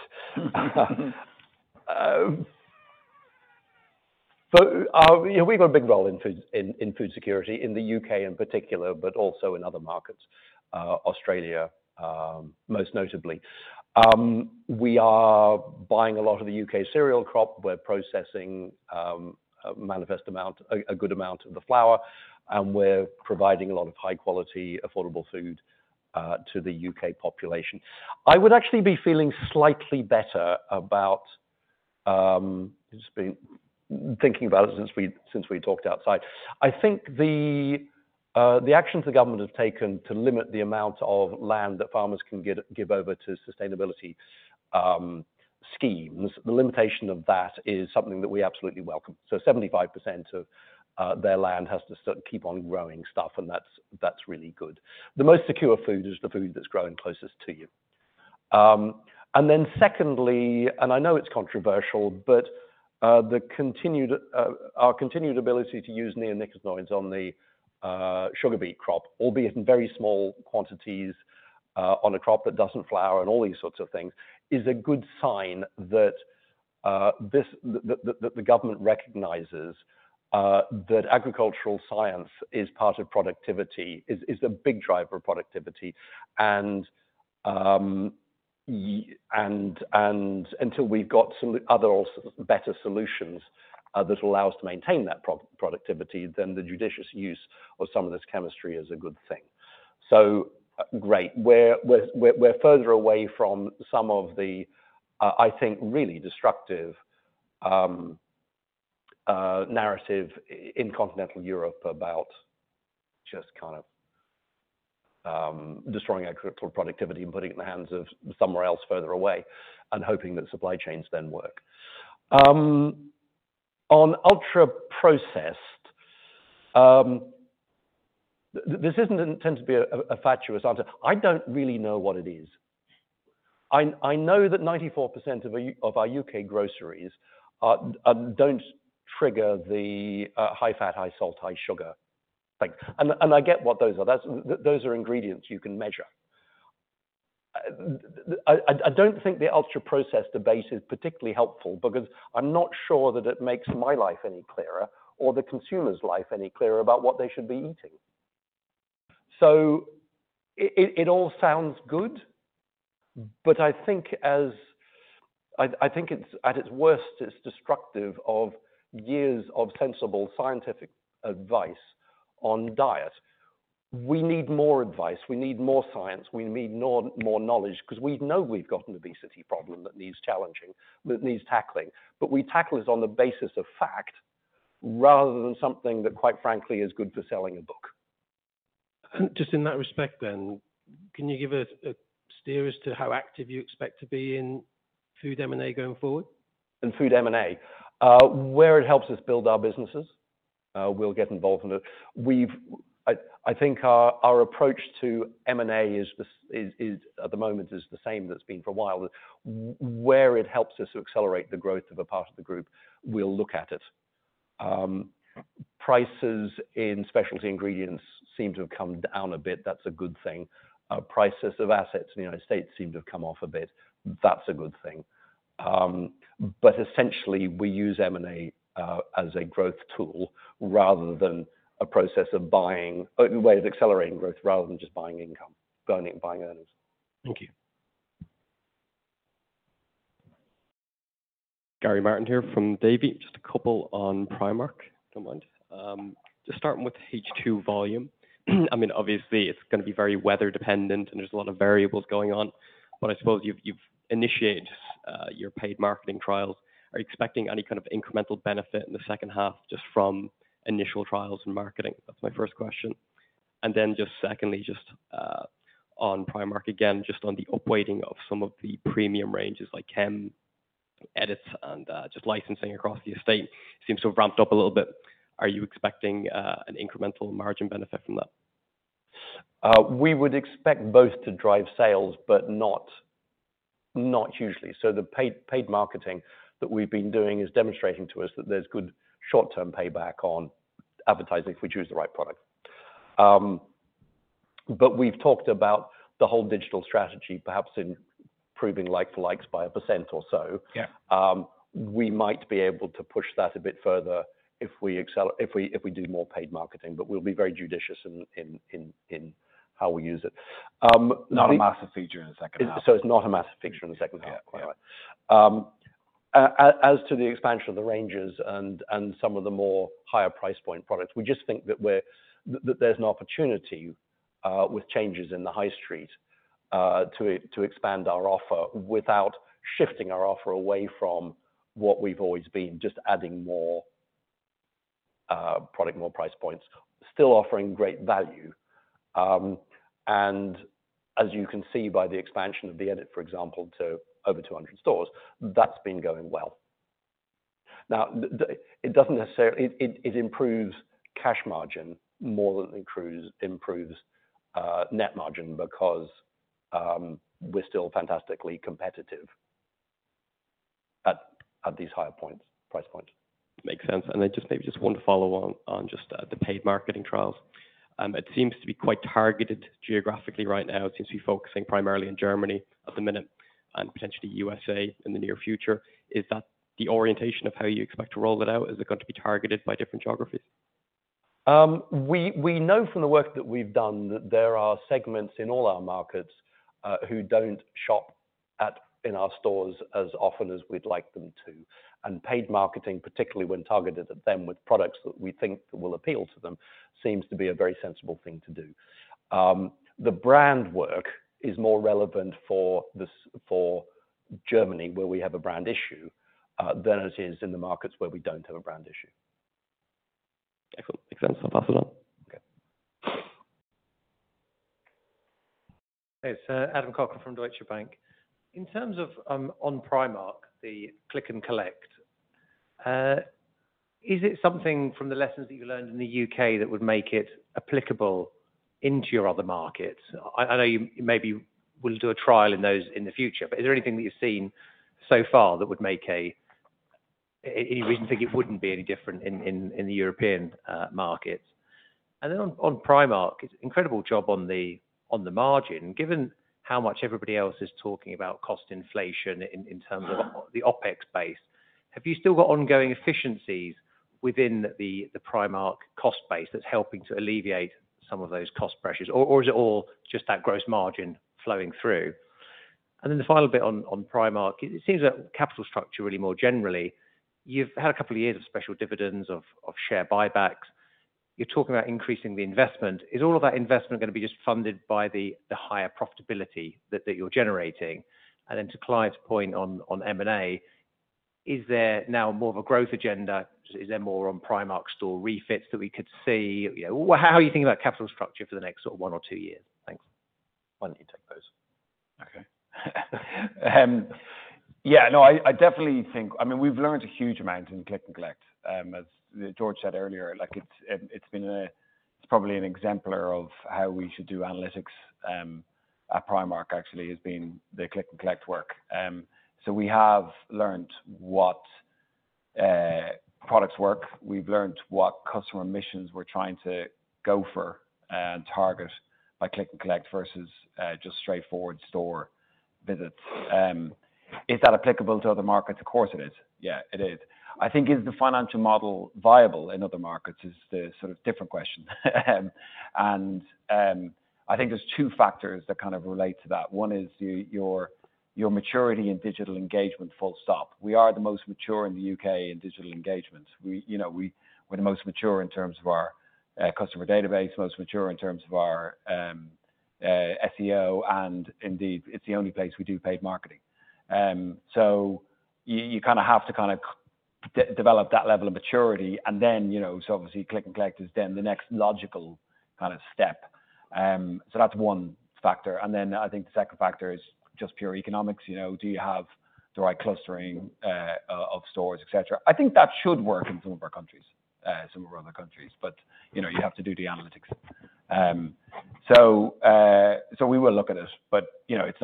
So you know, we've got a big role in food in, in food security in the U.K. in particular, but also in other markets, Australia, most notably. We are buying a lot of the U.K. cereal crop. We're processing a massive amount, a good amount of the flour, and we're providing a lot of high-quality, affordable food to the U.K. population. I would actually be feeling slightly better about, just been thinking about it since we talked outside. I think the actions the government have taken to limit the amount of land that farmers can give over to sustainability schemes, the limitation of that is something that we absolutely welcome. So 75% of their land has to keep on growing stuff, and that's really good. The most secure food is the food that's growing closest to you. And then secondly, and I know it's controversial, but our continued ability to use neonicotinoids on the sugar beet crop, albeit in very small quantities, on a crop that doesn't flower and all these sorts of things, is a good sign that the government recognizes that agricultural science is part of productivity, is a big driver of productivity. And until we've got some other better solutions that allow us to maintain that productivity, then the judicious use of some of this chemistry is a good thing. So, great. We're further away from some of the, I think, really destructive narrative in continental Europe about just kind of destroying agricultural productivity and putting it in the hands of somewhere else further away and hoping that supply chains then work. On ultra-processed, this isn't intended to be a fatuous answer. I don't really know what it is. I know that 94% of our U.K. groceries don't trigger the high fat, high salt, high sugar things. And I get what those are. Those are ingredients you can measure. I don't think the ultra-processed debate is particularly helpful because I'm not sure that it makes my life any clearer or the consumer's life any clearer about what they should be eating. So it all sounds good, but I think it's at its worst, it's destructive of years of sensible scientific advice on diet. We need more advice. We need more science. We need more knowledge because we know we've got an obesity problem that needs challenging, that needs tackling. But we tackle it on the basis of fact rather than something that, quite frankly, is good for selling a book. And just in that respect, then, can you give us a steer as to how active you expect to be in food M&A going forward? In food M&A? Where it helps us build our businesses, we'll get involved in it. I think our approach to M&A is, at the moment, the same that's been for a while. Where it helps us to accelerate the growth of a part of the group, we'll look at it. Prices in specialty ingredients seem to have come down a bit. That's a good thing. Prices of assets in the United States seem to have come off a bit. That's a good thing. But essentially, we use M&A as a growth tool rather than a process of buying away of accelerating growth rather than just buying income, earning buying earnings. Thank you. Gary Martin here from Davy. Just a couple on Primark, if you don't mind. Just starting with H2 volume. I mean, obviously, it's going to be very weather-dependent, and there's a lot of variables going on. But I suppose you've initiated your paid marketing trials. Are you expecting any kind of incremental benefit in the second half just from initial trials and marketing? That's my first question. And then just secondly, just on Primark again, just on the upweighting of some of the premium ranges like Kem, The Edit and just licensing across the estate seems to have ramped up a little bit. Are you expecting an incremental margin benefit from that? We would expect both to drive sales, but not hugely. So the paid marketing that we've been doing is demonstrating to us that there's good short-term payback on advertising if we choose the right product. But we've talked about the whole digital strategy, perhaps improving like-for-likes by 1% or so. We might be able to push that a bit further if we accelerate, if we do more paid marketing, but we'll be very judicious in how we use it. Not a massive feature in the second half. So it's not a massive feature in the second half, by the way. As to the expansion of the ranges and some of the more higher price point products, we just think that there's an opportunity, with changes in the high street, to expand our offer without shifting our offer away from what we've always been, just adding more product, more price points, still offering great value. And as you can see by the expansion of the Edit, for example, to over 200 stores, that's been going well. Now, it doesn't necessarily improve cash margin more than it improves net margin because we're still fantastically competitive at these higher price points. Makes sense. And I just want to follow on just the paid marketing trials. It seems to be quite targeted geographically right now. It seems to be focusing primarily in Germany at the minute and potentially USA in the near future. Is that the orientation of how you expect to roll it out? Is it going to be targeted by different geographies? We know from the work that we've done that there are segments in all our markets who don't shop in our stores as often as we'd like them to. And paid marketing, particularly when targeted at them with products that we think that will appeal to them, seems to be a very sensible thing to do. The brand work is more relevant for Germany, where we have a brand issue, than it is in the markets where we don't have a brand issue. Excellent. Makes sense. I'll pass it on. Okay. Hey, it's Adam Cochrane from Deutsche Bank. In terms of, on Primark, the click and collect, is it something from the lessons that you've learned in the U.K. that would make it applicable into your other markets? I know you maybe will do a trial in those in the future, but is there anything that you've seen so far that would make any reason to think it wouldn't be any different in the European markets? And then on Primark, incredible job on the margin. Given how much everybody else is talking about cost inflation in terms of the OpEx base, have you still got ongoing efficiencies within the Primark cost base that's helping to alleviate some of those cost pressures, or is it all just that gross margin flowing through? Then the final bit on Primark, it seems that capital structure really more generally, you've had a couple of years of special dividends, of share buybacks. You're talking about increasing the investment. Is all of that investment going to be just funded by the higher profitability that you're generating? And then to Clive's point on M&A, is there now more of a growth agenda? Is there more on Primark store refits that we could see? You know, how are you thinking about capital structure for the next sort of one or two years? Thanks. Why don't you take those? Okay. Yeah, no, I definitely think. I mean, we've learned a huge amount in Click + Collect. As George said earlier, like, it's been. It's probably an exemplar of how we should do analytics. At Primark, actually, has been the Click + Collect work. So we have learned what products work. We've learned what customer missions we're trying to go for and target by Click + Collect versus just straightforward store visits. Is that applicable to other markets? Of course, it is. Yeah, it is. I think is the financial model viable in other markets is the sort of different question. And I think there's two factors that kind of relate to that. One is your maturity in digital engagement, full stop. We are the most mature in the U.K. in digital engagement. We, you know, we're the most mature in terms of our customer database, most mature in terms of our SEO, and indeed, it's the only place we do paid marketing. So you kind of have to kind of develop that level of maturity. And then, you know, so obviously, Click + Collect is then the next logical kind of step. So that's one factor. And then I think the second factor is just pure economics. You know, do you have the right clustering of stores, etc.? I think that should work in some of our countries, some of our other countries, but, you know, you have to do the analytics. So we will look at it, but, you know, it's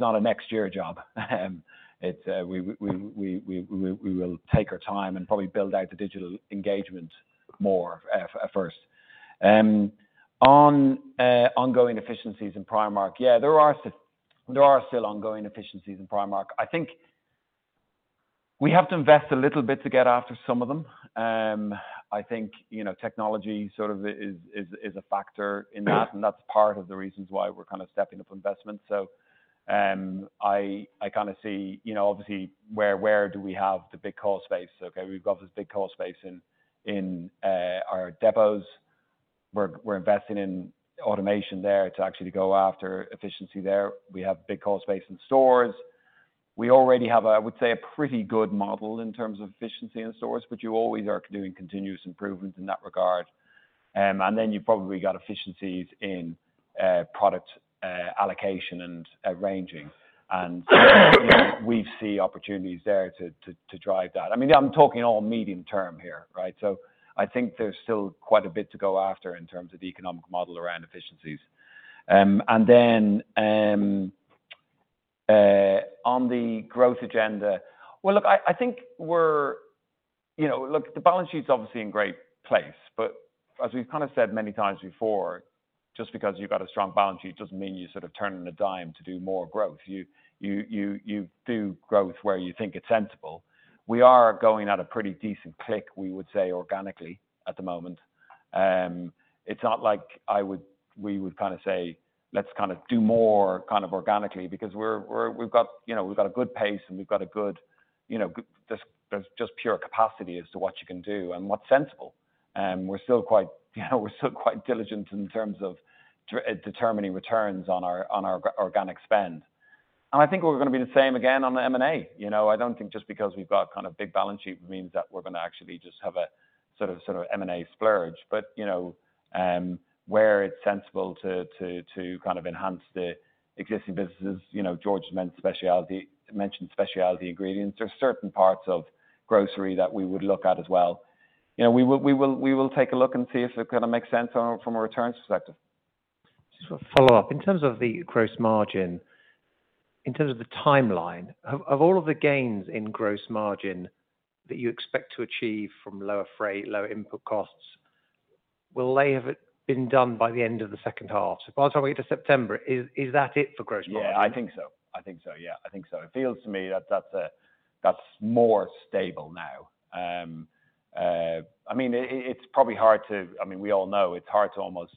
not a next-year job. We will take our time and probably build out the digital engagement more, first. Ongoing efficiencies in Primark, yeah, there are still ongoing efficiencies in Primark. I think we have to invest a little bit to get after some of them. I think, you know, technology sort of is a factor in that, and that's part of the reasons why we're kind of stepping up investments. So, I kind of see, you know, obviously, where do we have the big cost base? Okay, we've got this big cost base in our depots. We're investing in automation there to actually go after efficiency there. We have big cost base in stores. We already have a, I would say, a pretty good model in terms of efficiency in stores, but you always are doing continuous improvements in that regard. And then you've probably got efficiencies in product allocation and ranging. And, you know, we've seen opportunities there to drive that. I mean, I'm talking all medium term here, right? So I think there's still quite a bit to go after in terms of the economic model around efficiencies. And then, on the growth agenda, well, look, I think we're, you know, look, the balance sheet's obviously in great place, but as we've kind of said many times before, just because you've got a strong balance sheet doesn't mean you sort of turn on a dime to do more growth. You do growth where you think it's sensible. We are going at a pretty decent click, we would say, organically at the moment. It's not like we would kind of say, let's kind of do more kind of organically because we're, we've got, you know, we've got a good pace and we've got a good, you know, there's just pure capacity as to what you can do and what's sensible. We're still quite, you know, we're still quite diligent in terms of determining returns on our organic spend. And I think we're going to be the same again on the M&A. You know, I don't think just because we've got kind of big balance sheet means that we're going to actually just have a sort of M&A splurge. But, you know, where it's sensible to kind of enhance the existing businesses, you know, George mentioned specialty ingredients. There's certain parts of grocery that we would look at as well. You know, we will take a look and see if it kind of makes sense from a returns perspective. Just a follow-up. In terms of the gross margin, in terms of the timeline of all of the gains in gross margin that you expect to achieve from lower freight, lower input costs, will they have been done by the end of the second half? So by the time we get to September, is that it for gross margin? Yeah, I think so. I think so. Yeah, I think so. It feels to me that that's more stable now. I mean, it's probably hard to. I mean, we all know it's hard to almost,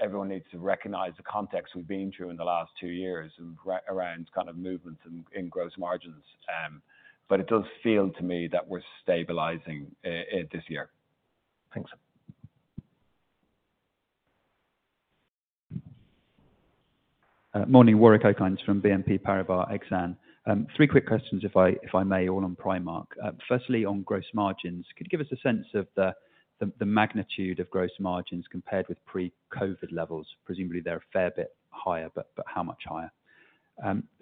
everyone needs to recognize the context we've been through in the last two years and around kind of movements in gross margins. But it does feel to me that we're stabilizing this year. Thanks. Morning, Warwick Okines from BNP Paribas Exane. Three quick questions, if I may, all on Primark. Firstly, on gross margins, could you give us a sense of the magnitude of gross margins compared with pre-COVID levels? Presumably, they're a fair bit higher, but how much higher?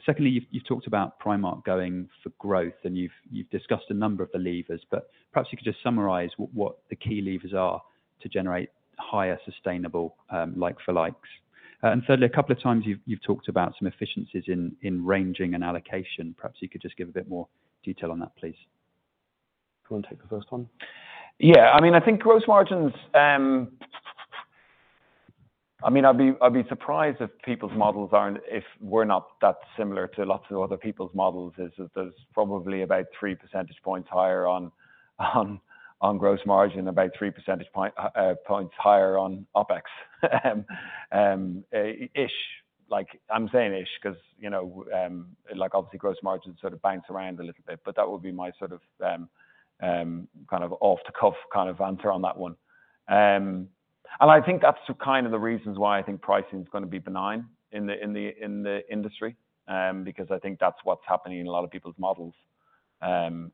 Secondly, you've talked about Primark going for growth, and you've discussed a number of the levers, but perhaps you could just summarize what the key levers are to generate higher sustainable like for likes. And thirdly, a couple of times you've talked about some efficiencies in ranging and allocation. Perhaps you could just give a bit more detail on that, please. Do you want to take the first one? Yeah, I mean, I think gross margins. I mean, I'd be surprised if people's models aren't if we're not that similar to lots of other people's models, is that there's probably about 3 percentage points higher on gross margin, about 3 percentage points higher on OpEx-ish. Like, I'm saying-ish because, you know, like, obviously, gross margin sort of bounces around a little bit, but that would be my sort of, kind of off-the-cuff kind of answer on that one. I think that's kind of the reasons why I think pricing's going to be benign in the industry, because I think that's what's happening in a lot of people's models,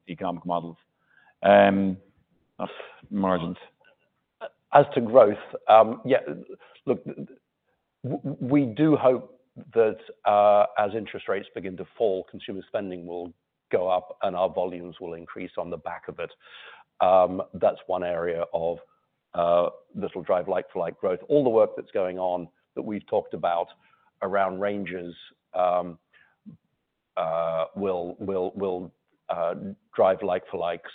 economic models. Margins. As to growth, yeah, look, we do hope that, as interest rates begin to fall, consumer spending will go up and our volumes will increase on the back of it. That's one area of, that'll drive like-for-like growth. All the work that's going on that we've talked about around ranges, will drive like-for-likes.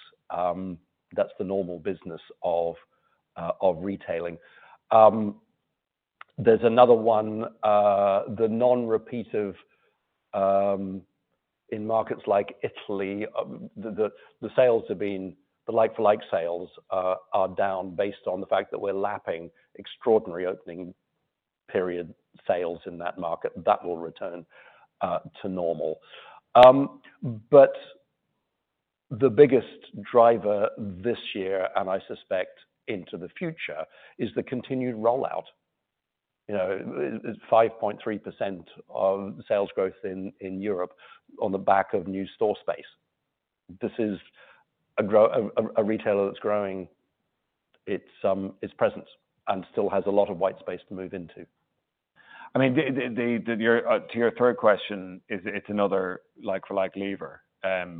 That's the normal business of, of retailing. There's another one, the non-repetitive, in markets like Italy, the sales have been the like-for-like sales, are down based on the fact that we're lapping extraordinary opening period sales in that market. That will return, to normal. But the biggest driver this year, and I suspect into the future, is the continued rollout. You know, it's 5.3% of sales growth in Europe on the back of new store space. This is a growing retailer that's growing its presence and still has a lot of white space to move into. I mean, to your third question, it's another like-for-like lever,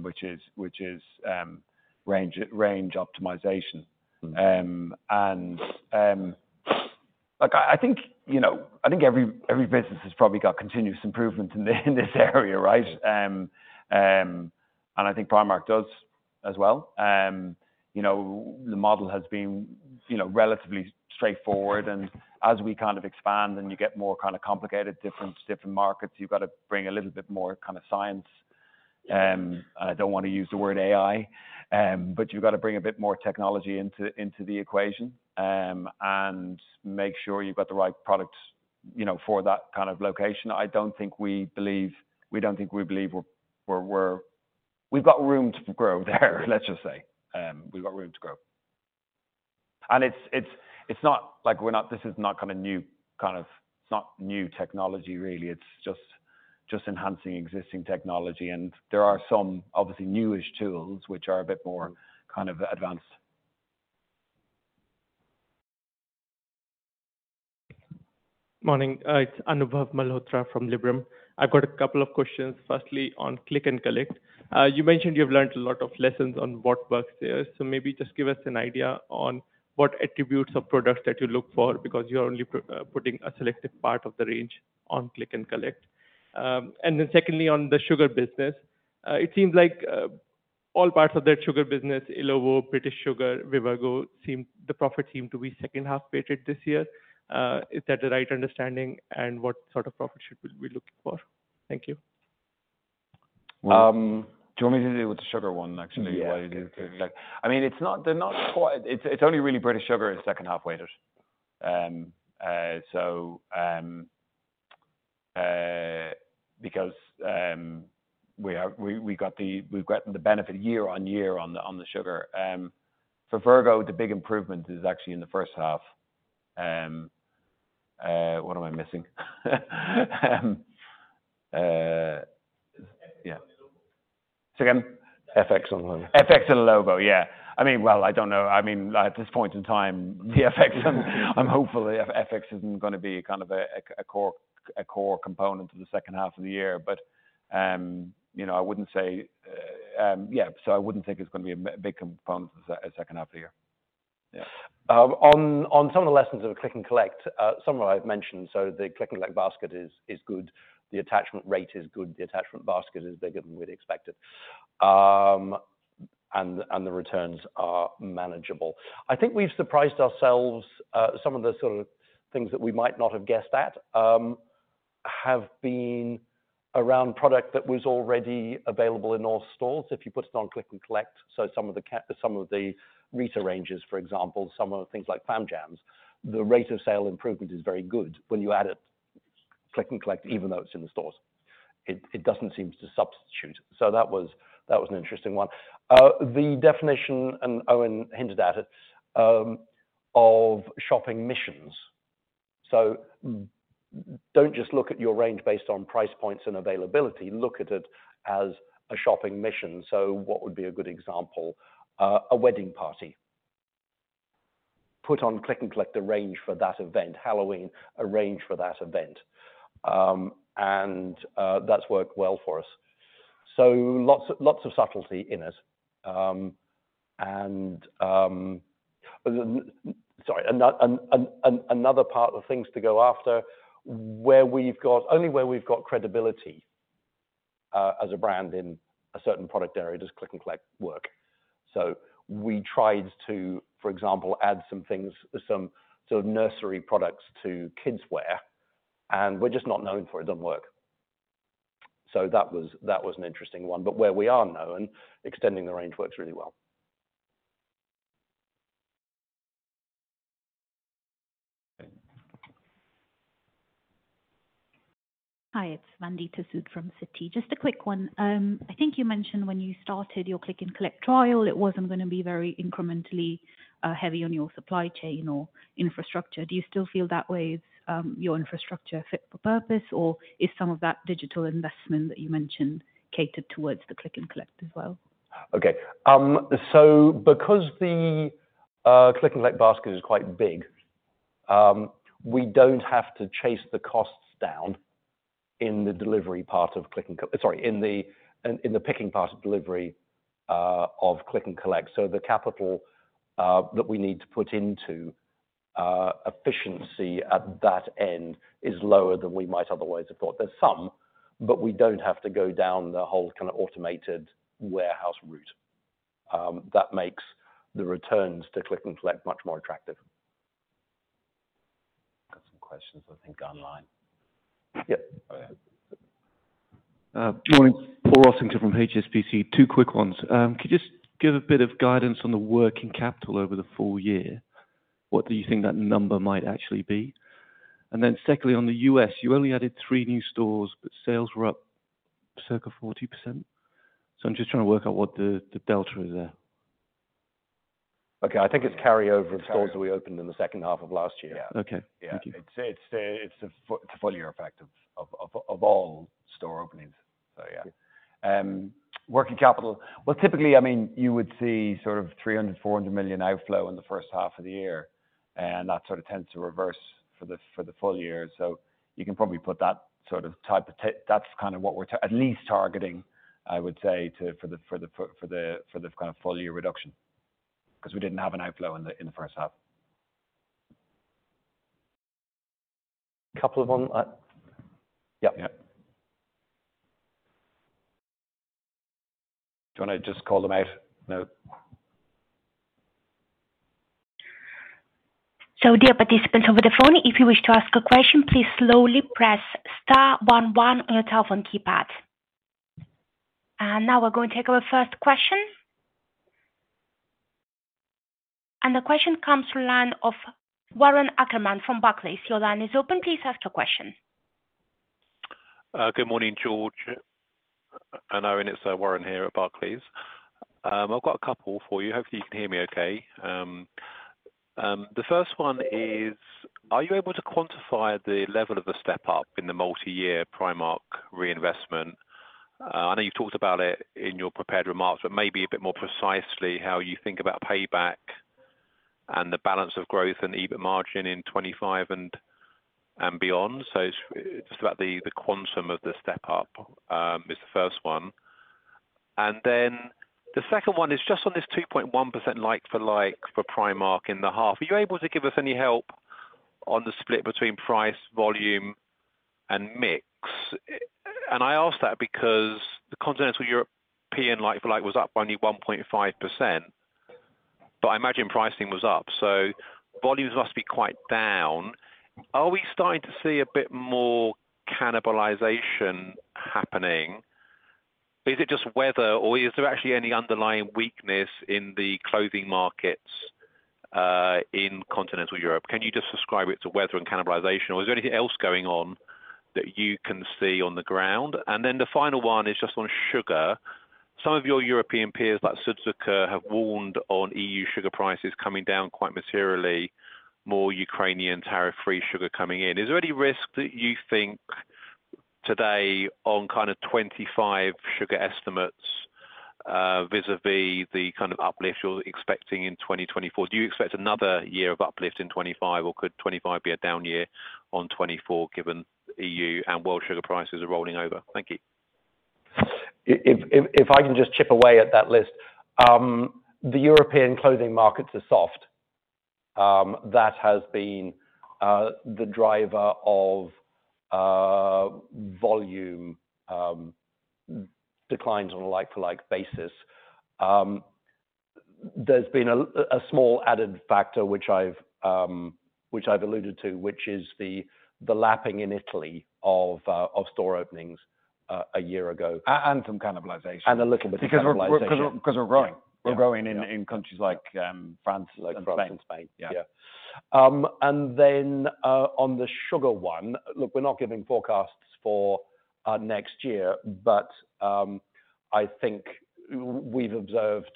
which is range optimization. Look, I think, you know, I think every business has probably got continuous improvement in this area, right? I think Primark does as well. You know, the model has been, you know, relatively straightforward, and as we kind of expand and you get more kind of complicated different markets, you've got to bring a little bit more kind of science. I don't want to use the word AI, but you've got to bring a bit more technology into the equation, and make sure you've got the right product, you know, for that kind of location. I don't think we believe we've got room to grow there, let's just say. We've got room to grow. And it's not like this is not kind of new, it's not new technology, really. It's just enhancing existing technology. And there are some, obviously, new-ish tools which are a bit more kind of advanced. Morning. It's Anubhav Malhotra from Liberum. I've got a couple of questions, firstly, on Click + Collect. You mentioned you've learned a lot of lessons on what works there, so maybe just give us an idea on what attributes of products that you look for because you're only putting a selective part of the range on Click + Collect. And then secondly, on the sugar business, it seems like all parts of that sugar business, Illovo, British Sugar, Vivergo, seem the profits seem to be second-half weighted this year. Is that the right understanding, and what sort of profit should we be looking for? Thank you. Do you want me to do it with the sugar one, actually, while you do Click + Collect? I mean, it's not quite it's only really British Sugar is second-half weighted. So, because we've gotten the benefit year on year on the sugar. For Vivergo, the big improvement is actually in the first half. What am I missing? Yeah. Say again? FX on the Illovo. FX and the Illovo, yeah. I mean, well, I don't know. I mean, at this point in time, the FX, I'm hopeful FX isn't going to be kind of a core component of the second half of the year, but, you know, I wouldn't say, yeah, so I wouldn't think it's going to be a big component of the second half of the year. Yeah. On some of the lessons of Click + Collect, some of them I've mentioned. So the Click + Collect basket is good. The attachment rate is good. The attachment basket is bigger than we'd expected. And the returns are manageable. I think we've surprised ourselves. Some of the sort of things that we might not have guessed at have been around product that was already available in all stores. If you put it on Click + Collect, so some of the Rita ranges, for example, some of things like Fam Jams, the rate of sale improvement is very good when you add it Click + Collect, even though it's in the stores. It doesn't seem to substitute. So that was an interesting one. The definition, and Eoin hinted at it, of shopping missions. So don't just look at your range based on price points and availability. Look at it as a shopping mission. So what would be a good example? A wedding party. Put on Click + Collect a range for that event. Halloween, a range for that event. And that's worked well for us. So lots of subtlety in it. and, sorry, another part of things to go after, where we've got only where we've got credibility, as a brand in a certain product area, does click and collect work. So we tried to, for example, add some things, some sort of nursery products to kids' wear, and we're just not known for it. It doesn't work. So that was that was an interesting one. But where we are now, and extending the range works really well. Hi, it's Vandita Sood from Citi. Just a quick one. I think you mentioned when you started your click and collect trial, it wasn't going to be very incrementally heavy on your supply chain or infrastructure. Do you still feel that way? Is your infrastructure fit for purpose, or is some of that digital investment that you mentioned catered towards the click and collect as well? Okay. So because the click and collect basket is quite big, we don't have to chase the costs down in the delivery part of click and collect, sorry, in the picking part of delivery of click and collect. So the capital that we need to put into efficiency at that end is lower than we might otherwise have thought. There's some, but we don't have to go down the whole kind of automated warehouse route. That makes the returns to click and collect much more attractive. Got some questions, I think, online. Yeah. Oh, yeah. Morning. Paul Rossington from HSBC. Two quick ones. Could you just give a bit of guidance on the working capital over the full year? What do you think that number might actually be? And then secondly, on the U.S., you only added three new stores, but sales were up circa 40%. So I'm just trying to work out what the delta is there. Okay. I think it's carryover of stores that we opened in the second half of last year. Yeah. Okay. Thank you. Yeah. It's a two full year effect of all store openings. So, yeah. Working capital, well, typically, I mean, you would see sort of 300-400 million outflow in the first half of the year, and that sort of tends to reverse for the full year. So you can probably put that sort of... that's kind of what we're at least targeting, I would say, for the kind of full year reduction because we didn't have an outflow in the first half. Couple of ones. Yep. Yeah. Do you want to just call them out? No? So dear participants over the phone, if you wish to ask a question, please slowly press star 11 on your telephone keypad. And now we're going to take our first question. And the question comes from the line of Warren Ackerman from Barclays. Your line is open. Please ask your question. Good morning, George. And Eoin, it's Warren here at Barclays. I've got a couple for you. Hopefully, you can hear me okay. The first one is, are you able to quantify the level of the step-up in the multi-year Primark reinvestment? I know you've talked about it in your prepared remarks, but maybe a bit more precisely how you think about payback and the balance of growth and EBIT margin in 2025 and beyond. So it's just about the quantum of the step-up is the first one. And then the second one is just on this 2.1% like for like for Primark in the half. Are you able to give us any help on the split between price, volume, and mix? And I ask that because the continental European like for like was up only 1.5%, but I imagine pricing was up. So volumes must be quite down. Are we starting to see a bit more cannibalization happening? Is it just weather, or is there actually any underlying weakness in the clothing markets in continental Europe? Can you just describe it to weather and cannibalization, or is there anything else going on that you can see on the ground? And then the final one is just on sugar. Some of your European peers, like Südzucker, have warned on EU sugar prices coming down quite materially, more Ukrainian tariff-free sugar coming in. Is there any risk that you think today on kind of 2025 sugar estimates vis-à-vis the kind of uplift you're expecting in 2024? Do you expect another year of uplift in 2025, or could 2025 be a down year on 2024 given EU and world sugar prices are rolling over? Thank you. If I can just chip away at that list, the European clothing markets are soft. That has been the driver of volume declines on a like-for-like basis. There's been a small added factor which I've alluded to, which is the lapping in Italy of store openings a year ago. And some cannibalization. And a little bit of cannibalization. Because we're growing. We're growing in countries like France and Spain. Like France and Spain. Yeah. Yeah. And then, on the sugar one, look, we're not giving forecasts for next year, but I think we've observed,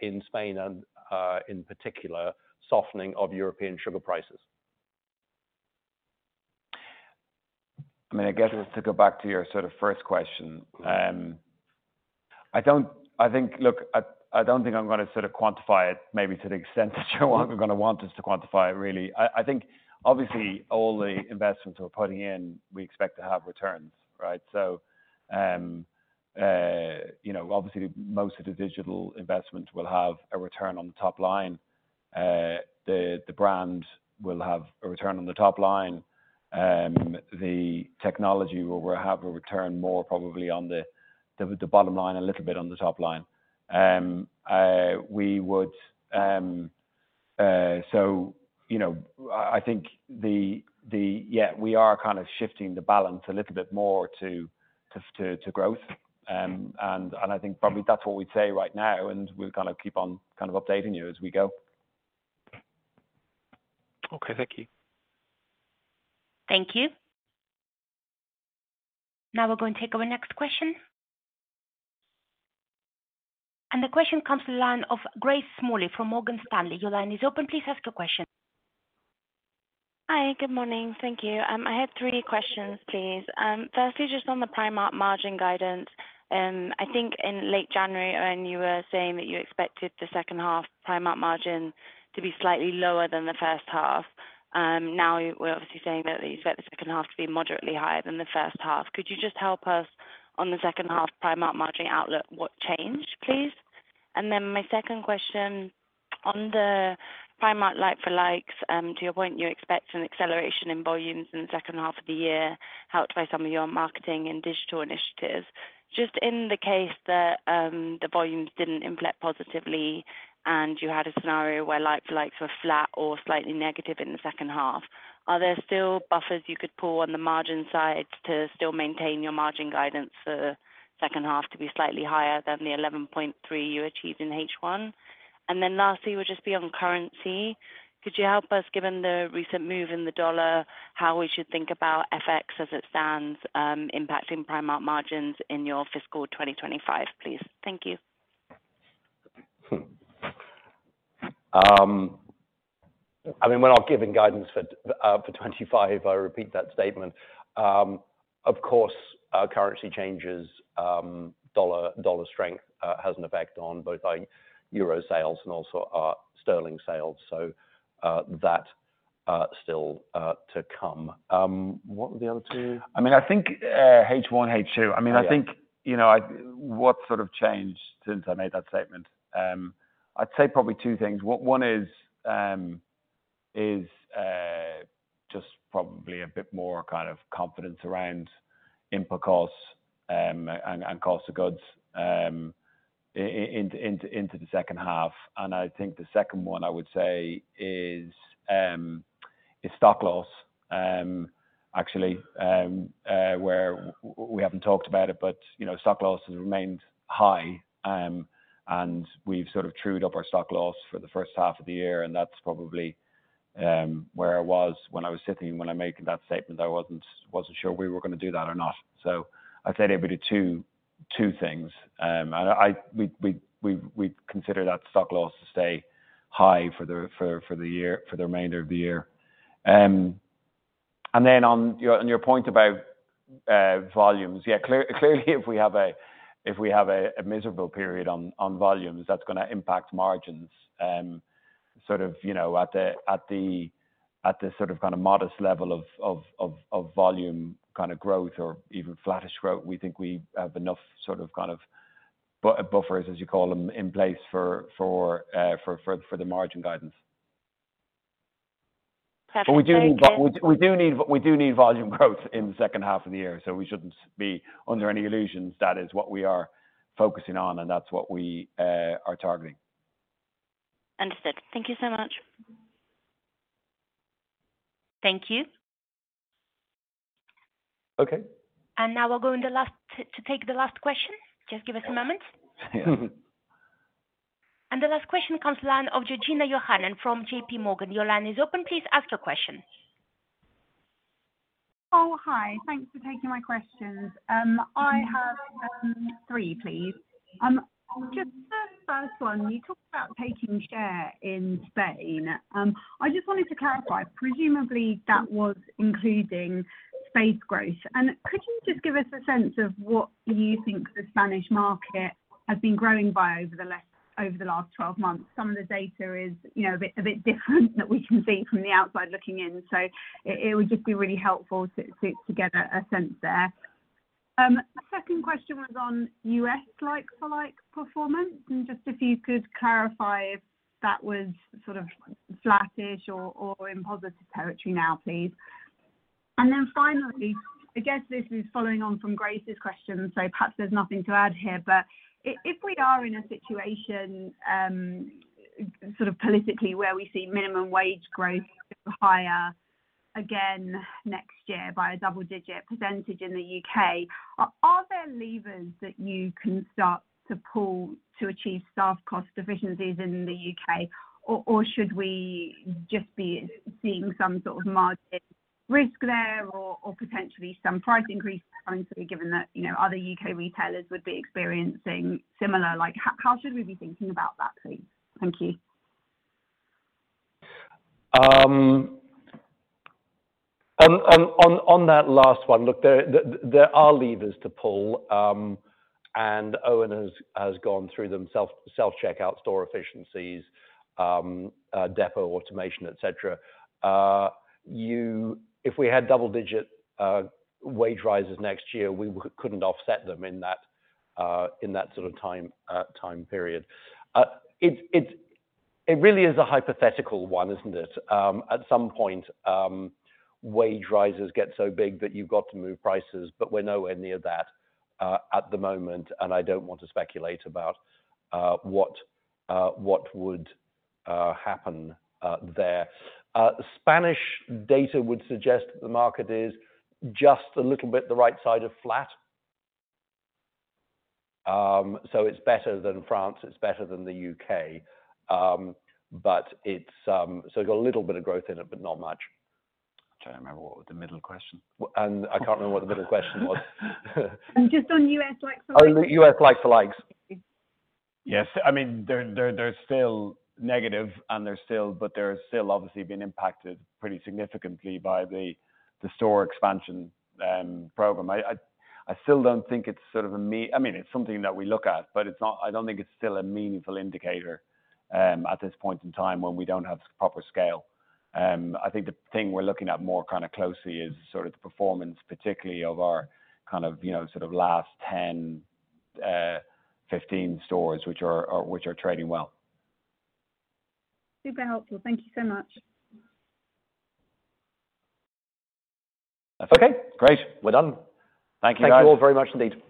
in Spain and, in particular, softening of European sugar prices. I mean, I guess to go back to your sort of first question. `I don't think I'm going to sort of quantify it maybe to the extent that Joanne's going to want us to quantify it, really. I think, obviously, all the investments we're putting in, we expect to have returns, right? So, you know, obviously, most of the digital investment will have a return on the top line. The brand will have a return on the top line. The technology will have a return more probably on the bottom line, a little bit on the top line. We would, so, you know, I think yeah, we are kind of shifting the balance a little bit more to growth. And I think probably that's what we'd say right now, and we'll kind of keep on updating you as we go. Okay. Thank you. Thank you. Now we're going to take our next question. And the question comes through line of Grace Smalley from Morgan Stanley. Your line is open. Please ask your question. Hi. Good morning. Thank you. I have three questions, please. Firstly, just on the Primark margin guidance, I think in late January, Eoin, you were saying that you expected the second half Primark margin to be slightly lower than the first half. Now we're obviously saying that you expect the second half to be moderately higher than the first half. Could you just help us, on the second half Primark margin outlook, what changed, please? And then my second question, on the Primark like-for-likes, to your point, you expect an acceleration in volumes in the second half of the year, helped by some of your marketing and digital initiatives. Just in the case that, the volumes didn't impact positively and you had a scenario where like-for-likes were flat or slightly negative in the second half, are there still buffers you could pull on the margin side to still maintain your margin guidance for the second half to be slightly higher than the 11.3% you achieved in H1? And then lastly, we'll just be on currency. Could you help us, given the recent move in the U.S. dollar, how we should think about FX as it stands, impacting Primark margins in your fiscal 2025, please? Thank you. I mean, when I'm giving guidance for 2025, I repeat that statement. Of course, currency changes, dollar dollar strength, has an effect on both our euro sales and also our sterling sales. So, that, still, to come. What were the other two? I mean, I think, H1, H2. I mean, I think, you know, I, what's sort of changed since I made that statement? I'd say probably two things. One is, just probably a bit more kind of confidence around input costs, and costs of goods, into the second half. And I think the second one, I would say, is stock loss, actually, where we haven't talked about it, but, you know, stock loss has remained high, and we've sort of trued up our stock loss for the first half of the year. That's probably where I was when I was sitting and when I'm making that statement. I wasn't sure we were going to do that or not. So I'd say there'd be the two things. We'd consider that stock loss to stay high for the year for the remainder of the year. Then on your point about volumes, yeah, clearly if we have a miserable period on volumes, that's going to impact margins. Sort of, you know, at the sort of kind of modest level of volume kind of growth or even flattish growth, we think we have enough sort of kind of buffers, as you call them, in place for the margin guidance. But we do need volume growth in the second half of the year, so we shouldn't be under any illusions. That is what we are focusing on, and that's what we are targeting. Understood. Thank you so much. Thank you. Okay. And now we'll go to the last to take the last question. Just give us a moment. Yeah. And the last question comes from the line of Georgina Johanan from J.P. Morgan. Your line is open. Please ask your question. Oh, hi. Thanks for taking my questions. I have three, please. Just the first one, you talked about taking share in Spain. I just wanted to clarify, presumably that was including space growth. And could you just give us a sense of what you think the Spanish market has been growing by over the last 12 months? Some of the data is, you know, a bit different that we can see from the outside looking in, so it would just be really helpful to get a sense there. The second question was on U.S. like-for-like performance and just if you could clarify if that was sort of flattish or in positive territory now, please. And then finally, I guess this is following on from Grace's question, so perhaps there's nothing to add here, but if we are in a situation, sort of politically where we see minimum wage growth higher again next year by a double-digit percentage in the U.K. are there levers that you can start to pull to achieve staff cost deficiencies in the U.K., or should we just be seeing some sort of margin risk there or potentially some price increase currently given that, you know, other U.K. retailers would be experiencing similar? Like, how should we be thinking about that, please? Thank you. On that last one, look, there are levers to pull. And Eoin has gone through them: self-checkout, store efficiencies, depot automation, etc. You, if we had double-digit wage rises next year, we couldn't offset them in that sort of time period. It's really a hypothetical one, isn't it? At some point, wage rises get so big that you've got to move prices, but we're nowhere near that at the moment, and I don't want to speculate about what would happen there. Spanish data would suggest that the market is just a little bit the right side of flat. So it's better than France. It's better than the U.K. But it's, so you've got a little bit of growth in it, but not much. I'm trying to remember what the middle question was. And just on U.S. like-for-likes. U.S. like-for-likes. Yes. I mean, they're still negative, and they're still, but they're still obviously being impacted pretty significantly by the store expansion program. I still don't think it's sort of a me I mean, it's something that we look at, but it's not, I don't think it's still a meaningful indicator at this point in time when we don't have proper scale. I think the thing we're looking at more closely is sort of the performance, particularly of our kind of, you know, sort of last 10, 15 stores which are trading well. Super helpful. Thank you so much. That's okay. Great. We're done. Thank you, guys. Thank you all very much, indeed.